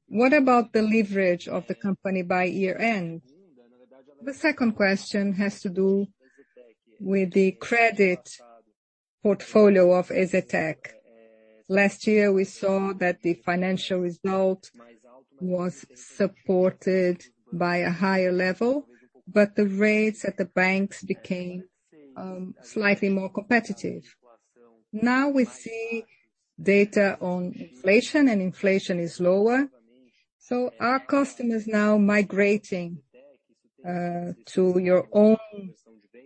What about the leverage of the company by year-end? The second question has to do with the credit portfolio of EZTEC. Last year, we saw that the financial result was supported by a higher level, but the rates at the banks became slightly more competitive. Now we see data on inflation, and inflation is lower. Are customers now migrating to your own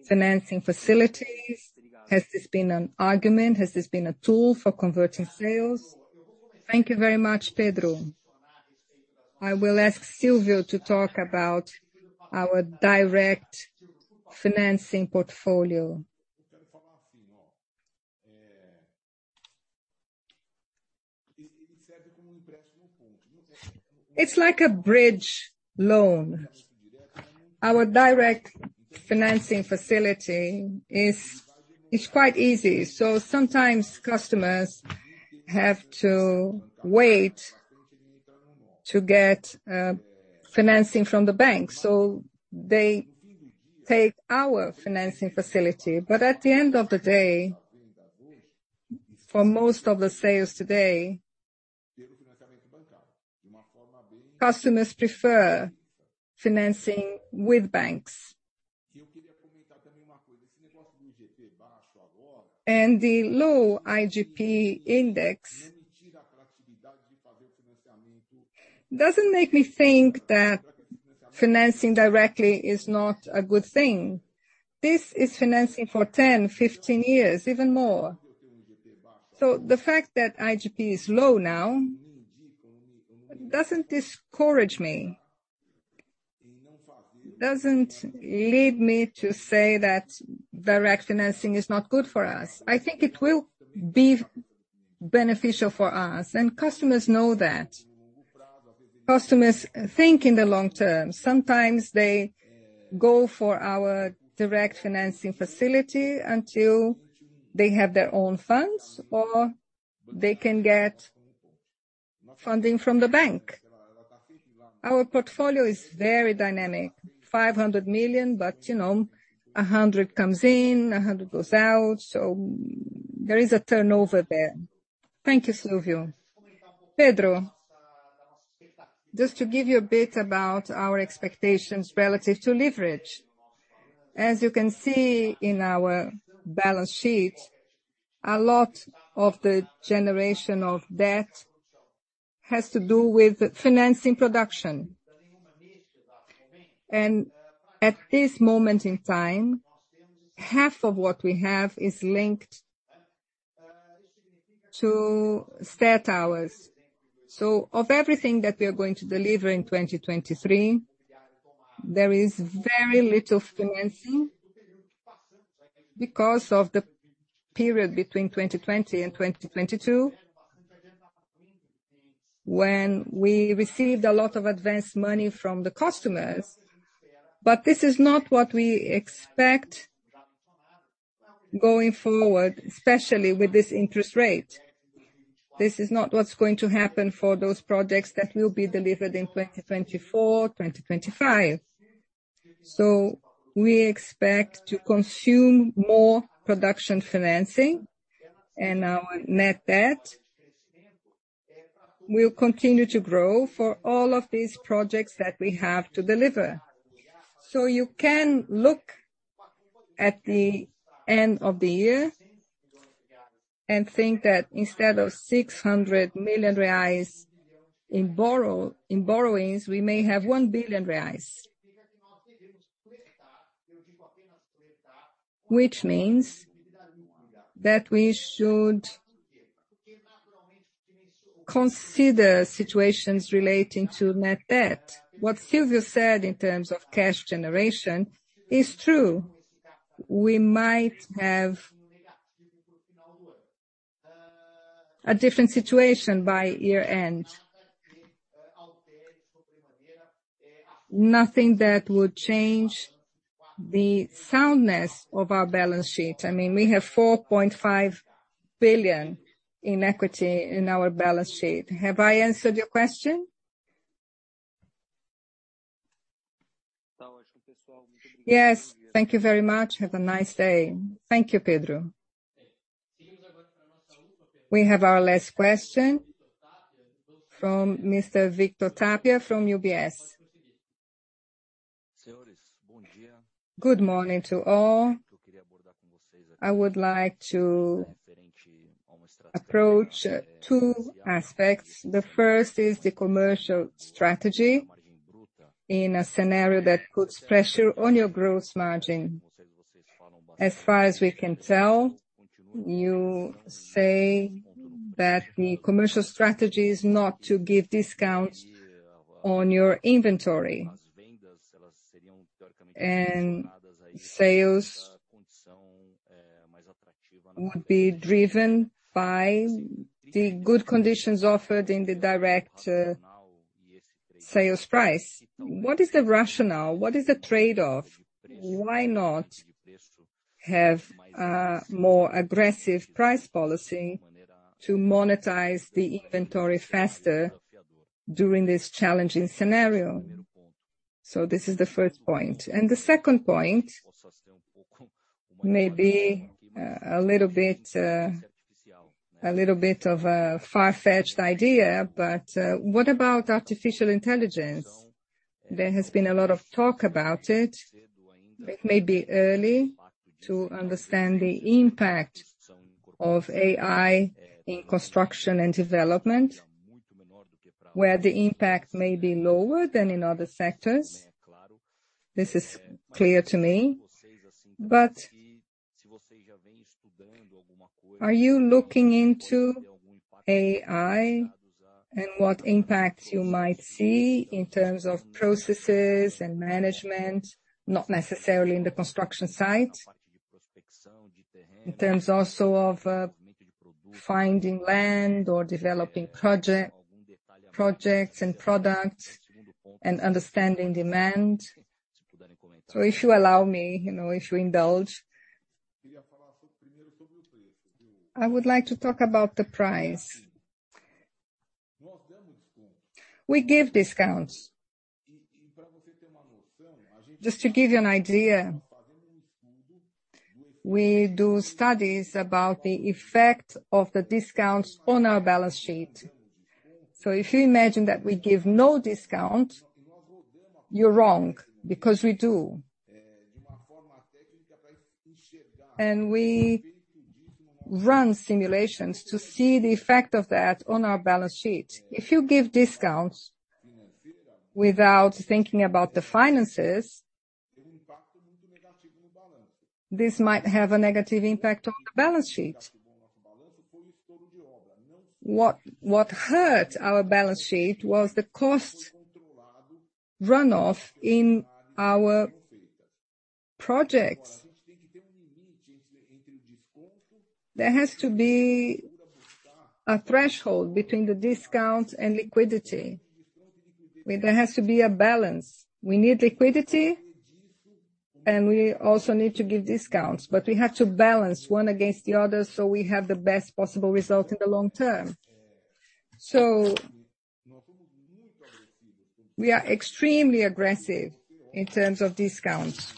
financing facilities? Has this been an argument? Has this been a tool for converting sales? Thank you very much, Pedro. I will ask Silvio to talk about our direct financing portfolio. It's like a bridge loan. Our direct financing facility is quite easy. Sometimes customers have to wait to get financing from the bank, so they take our financing facility. At the end of the day, for most of the sales today, customers prefer financing with banks. The low IGP index doesn't make me think that financing directly is not a good thing. This is financing for 10, 15 years, even more. The fact that IGP is low now doesn't discourage me, doesn't lead me to say that direct financing is not good for us. I think it will be beneficial for us, and customers know that. Customers think in the long term. Sometimes they go for our direct financing facility until they have their own funds, or they can get funding from the bank. Our portfolio is very dynamic. 500 million. You know, 100 comes in, 100 goes out, so there is a turnover there. Thank you, Silvio. Pedro, just to give you a bit about our expectations relative to leverage. As you can see in our balance sheet, a lot of the generation of debt has to do with financing production. At this moment in time, half of what we have is linked to set hours. Of everything that we are going to deliver in 2023, there is very little financing because of the period between 2020 and 2022, when we received a lot of advanced money from the customers. This is not what we expect going forward, especially with this interest rate. This is not what's going to happen for those projects that will be delivered in 2024, 2025. We expect to consume more production financing and our net debt will continue to grow for all of these projects that we have to deliver. You can look at the end of the year and think that instead of 600 million reais in borrowings, we may have 1 billion reais. Which means that we should consider situations relating to net debt. What Silvio said in terms of cash generation is true. We might have a different situation by year-end. Nothing that would change the soundness of our balance sheet. I mean, we have 4.5 billion in equity in our balance sheet. Have I answered your question? Yes, thank you very much. Have a nice day. Thank you, Pedro. We have our last question from Mr. Victor Tapia from UBS. Good morning to all. I would like to approach two aspects. The first is the commercial strategy in a scenario that puts pressure on your gross margin. As far as we can tell, you say that the commercial strategy is not to give discounts on your inventory. Sales would be driven by the good conditions offered in the direct sales price. What is the rationale? What is the trade-off? Why not have a more aggressive price policy to monetize the inventory faster during this challenging scenario? This is the first point. The second point may be a little bit of a far-fetched idea, but what about artificial intelligence? There has been a lot of talk about it. It may be early to understand the impact of AI in construction and development, where the impact may be lower than in other sectors. This is clear to me. Are you looking into AI and what impacts you might see in terms of processes and management, not necessarily in the construction site. In terms also of finding land or developing projects and products and understanding demand. If you allow me, you know, if you indulge. I would like to talk about the price. We give discounts. Just to give you an idea, we do studies about the effect of the discounts on our balance sheet. If you imagine that we give no discount, you're wrong, because we do. We run simulations to see the effect of that on our balance sheet. If you give discounts without thinking about the finances, this might have a negative impact on balance sheet. What hurt our balance sheet was the cost runoff in our projects. There has to be a threshold between the discounts and liquidity. There has to be a balance. We need liquidity. We also need to give discounts, but we have to balance one against the other so we have the best possible result in the long term. We are extremely aggressive in terms of discounts.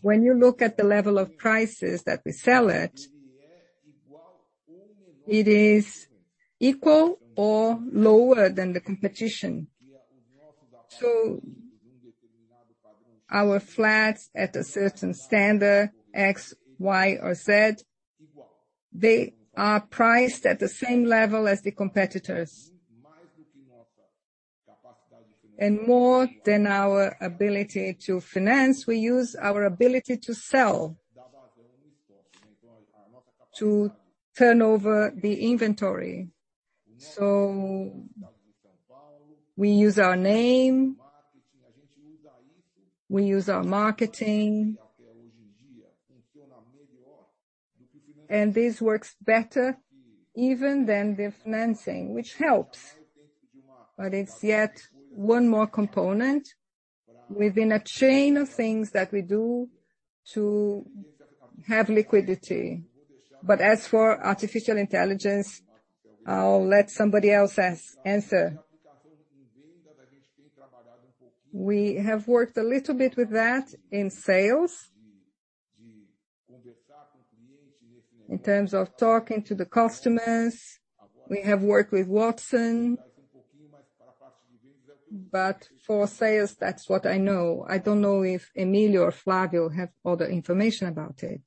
When you look at the level of prices that we sell at, it is equal or lower than the competition. Our flats at a certain standard X, Y, or Z, they are priced at the same level as the competitors. More than our ability to finance, we use our ability to sell to turn over the inventory. We use our name, we use our marketing. This works better even than the financing, which helps. It's yet one more component within a chain of things that we do to have liquidity. As for artificial intelligence, I'll let somebody else answer. We have worked a little bit with that in sales. In terms of talking to the customers, we have worked with Watson. But for sales, that's what I know. I don't know if Emílio or Flávio have other information about it.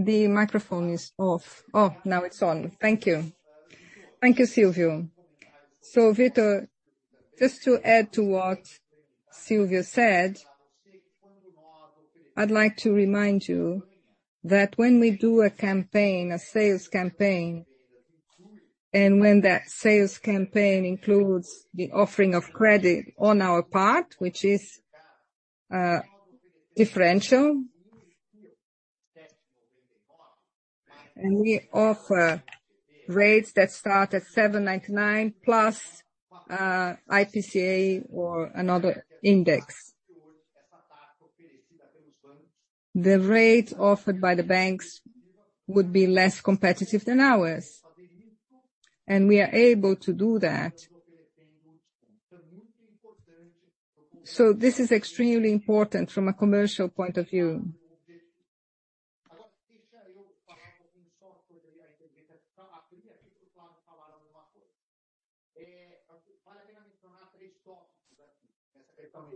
The microphone is off. Oh, now it's on. Thank you. Thank you, Silvio. Victor, just to add to what Silvio said, I'd like to remind you that when we do a campaign, a sales campaign, and when that sales campaign includes the offering of credit on our part, which is a differential. We offer rates that start at 7.99%+ IPCA or another index. The rate offered by the banks would be less competitive than ours, and we are able to do that. This is extremely important from a commercial point of view.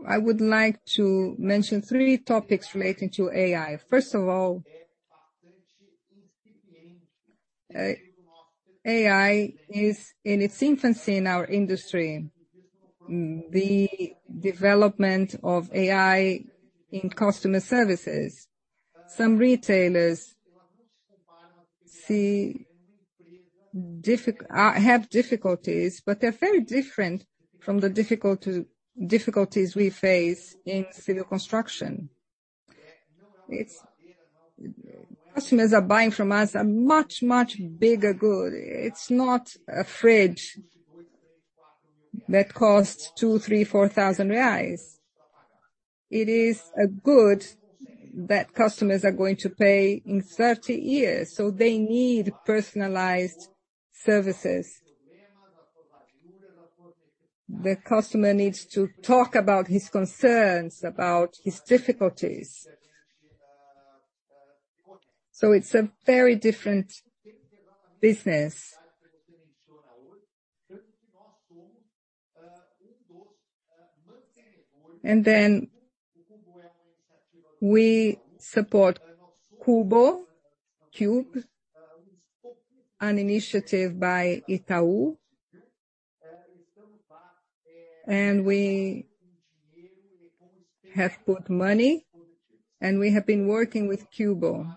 I would like to mention three topics relating to AI. First of all, AI is in its infancy in our industry. The development of AI in customer services. Some retailers have difficulties, but they're very different from the difficulties we face in civil construction. Customers are buying from us a much, much bigger good. It's not a fridge that costs 2, 3, 4,000 reais. It is a good that customers are going to pay in 30 years, so they need personalized services. The customer needs to talk about his concerns, about his difficulties. It's a very different business. We support Cubo, an initiative by Itaú. We have put money, and we have been working with Cubo.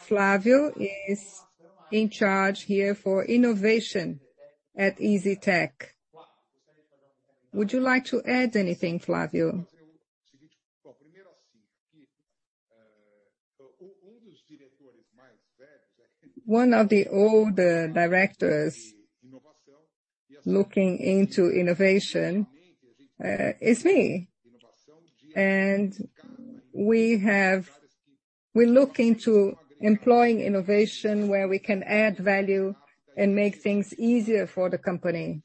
Flávio is in charge here for innovation at EZTEC. Would you like to add anything, Flávio? One of the older directors looking into innovation is me. We're looking to employing innovation where we can add value and make things easier for the company.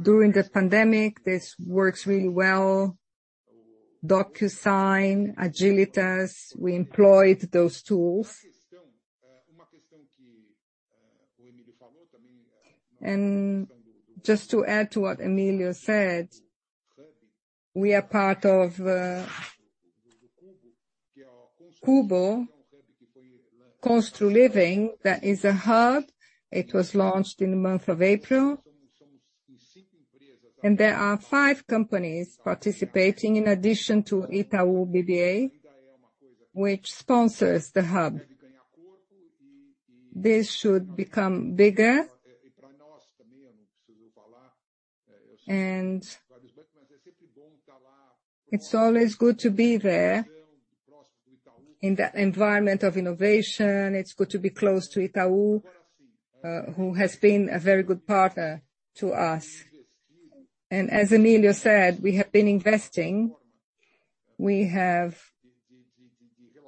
During the pandemic, this works really well. DocuSign, Agilitas, we employed those tools. Just to add to what Emílio said, we are part of Cubo Construliving. That is a hub. It was launched in the month of April. There are five companies participating in addition to Itaú BBA, which sponsors the hub. This should become bigger. It's always good to be there in that environment of innovation. It's good to be close to Itaú, who has been a very good partner to us. As Emílio said, we have been investing. We have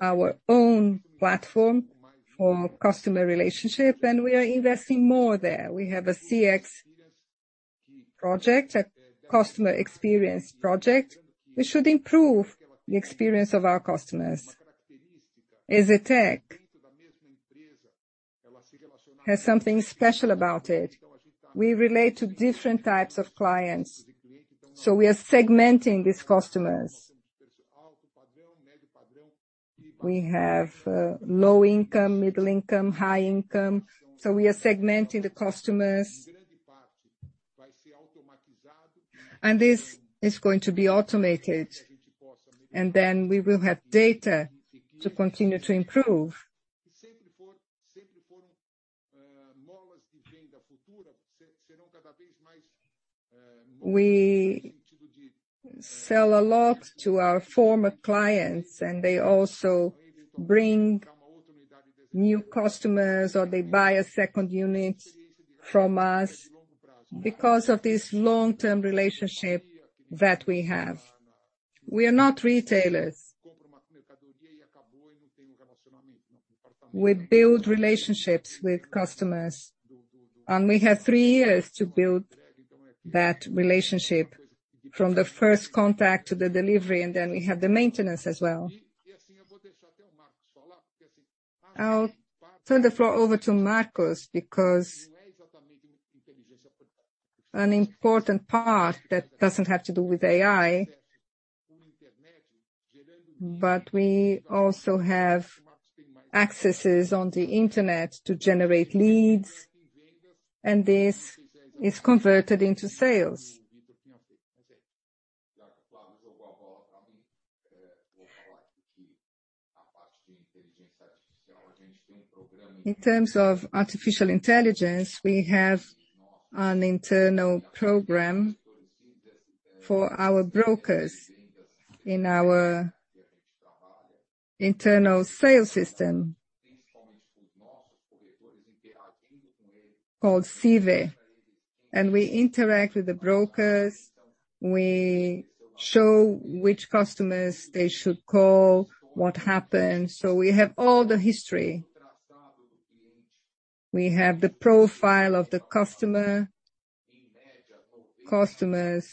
our own platform for customer relationship, and we are investing more there. We have a CX project, a customer experience project, which should improve the experience of our customers. EZTEC has something special about it. We relate to different types of clients. We are segmenting these customers. We have, low income, middle income, high income, so we are segmenting the customers. This is going to be automated, and then we will have data to continue to improve. We sell a lot to our former clients, and they also bring new customers, or they buy a second unit from us because of this long-term relationship that we have. We are not retailers. We build relationships with customers, and we have three years to build that relationship from the first contact to the delivery, and then we have the maintenance as well. I'll turn the floor over to Marcos, because an important part that doesn't have to do with AI, but we also have accesses on the Internet to generate leads, and this is converted into sales. In terms of artificial intelligence, we have an internal program for our brokers in our internal sales system called CV. We interact with the brokers. We show which customers they should call, what happened. We have all the history. We have the profile of the customer. Customers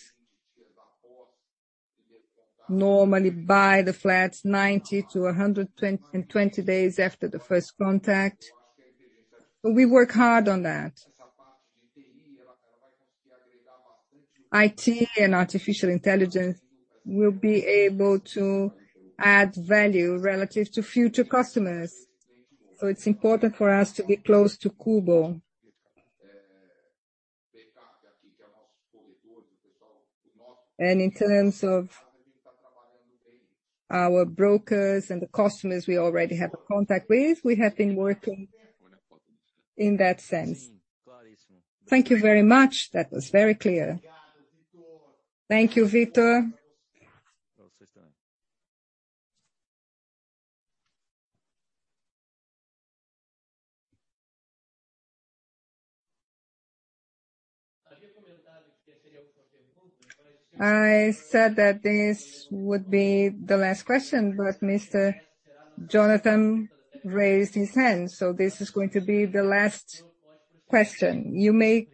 normally buy the flats 90-120 days after the first contact. We work hard on that. IT and artificial intelligence will be able to add value relative to future customers. It's important for us to be close to Cubo. In terms of our brokers and the customers we already have a contact with, we have been working in that sense. Thank you very much. That was very clear. Thank you, Vitor. I said that this would be the last question, but Mr. Jonathan raised his hand, so this is going to be the last question. You may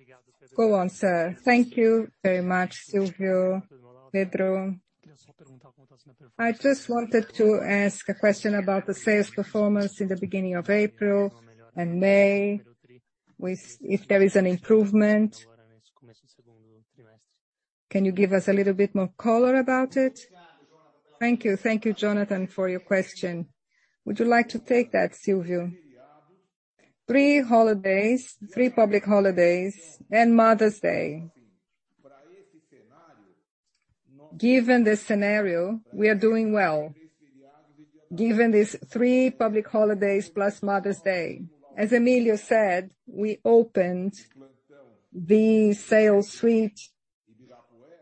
go on, sir. Thank you very much, Silvio, Pedro. I just wanted to ask a question about the sales performance in the beginning of April and May. If there is an improvement. Can you give us a little bit more color about it? Thank you. Thank you, Mr. Jonathan, for your question. Would you like to take that, Silvio? Three holidays, three public holidays and Mother's Day. Given the scenario, we are doing well. Given these three public holidays plus Mother's Day. As Emilio said, we opened the sales suite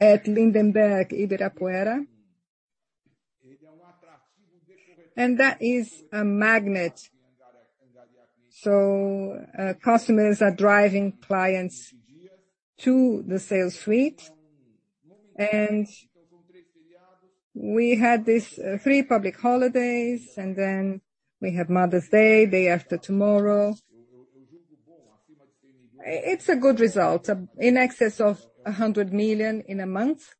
at Lindenberg Ibirapuera. That is a magnet. Customers are driving clients to the sales suite. We had these three public holidays, and then we have Mother's Day day after tomorrow. It's a good result, in excess of 100 million in a month.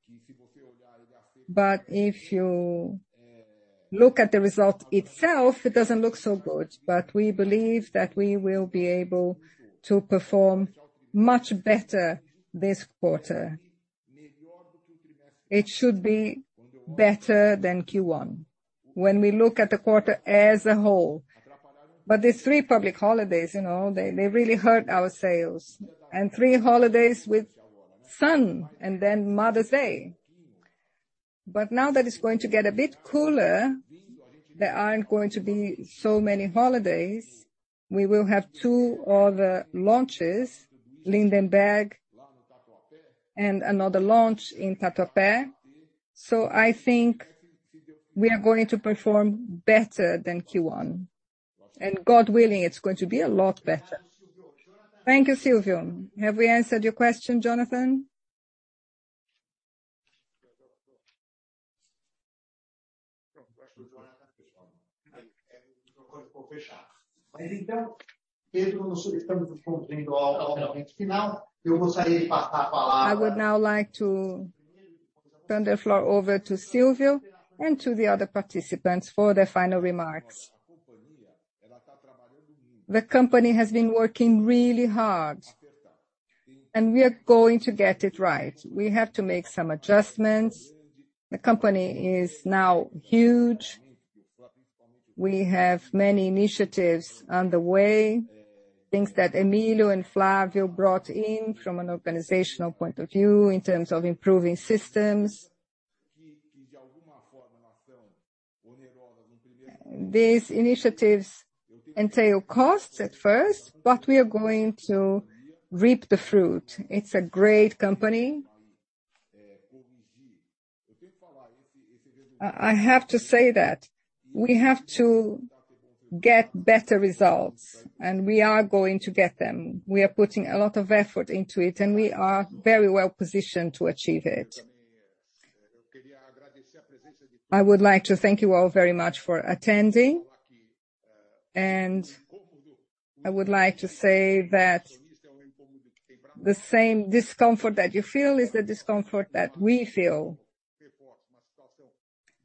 If you look at the result itself, it doesn't look so good. We believe that we will be able to perform much better this quarter. It should be better than Q1 when we look at the quarter as a whole. These three public holidays, you know, they really hurt our sales. Three holidays with sun and then Mother's Day. Now that it's going to get a bit cooler, there aren't going to be so many holidays. We will have two other launches, Lindenberg and another launch in Tatuapé. I think we are going to perform better than Q1. God willing, it's going to be a lot better. Thank you, Silvio. Have we answered your question, Jonathan? I would now like to turn the floor over to Silvio and to the other participants for their final remarks. The company has been working really hard, and we are going to get it right. We have to make some adjustments. The company is now huge. We have many initiatives on the way. Things that Emílio and Flávio brought in from an organizational point of view in terms of improving systems. These initiatives entail costs at first, but we are going to reap the fruit. It's a great company. I have to say that we have to get better results and we are going to get them. We are putting a lot of effort into it and we are very well-positioned to achieve it. I would like to thank you all very much for attending, and I would like to say that the same discomfort that you feel is the discomfort that we feel.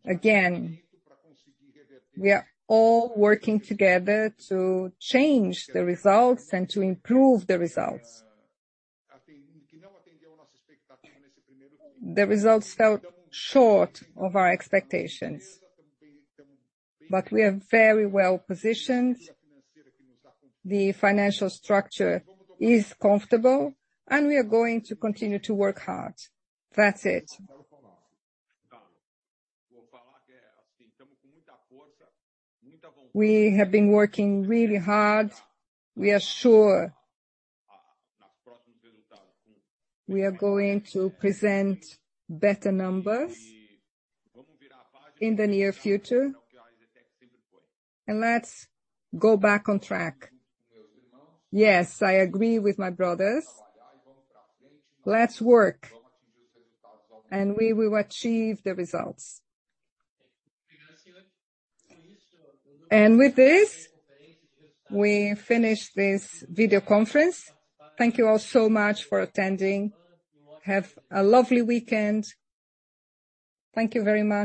Again, we are all working together to change the results and to improve the results. The results fell short of our expectations. We are very well-positioned. The financial structure is comfortable, and we are going to continue to work hard. That's it. We have been working really hard. We are sure we are going to present better numbers in the near future and let's go back on track. Yes, I agree with my brothers. Let's work and we will achieve the results. With this, we finish this video conference. Thank you all so much for attending. Have a lovely weekend. Thank you very much.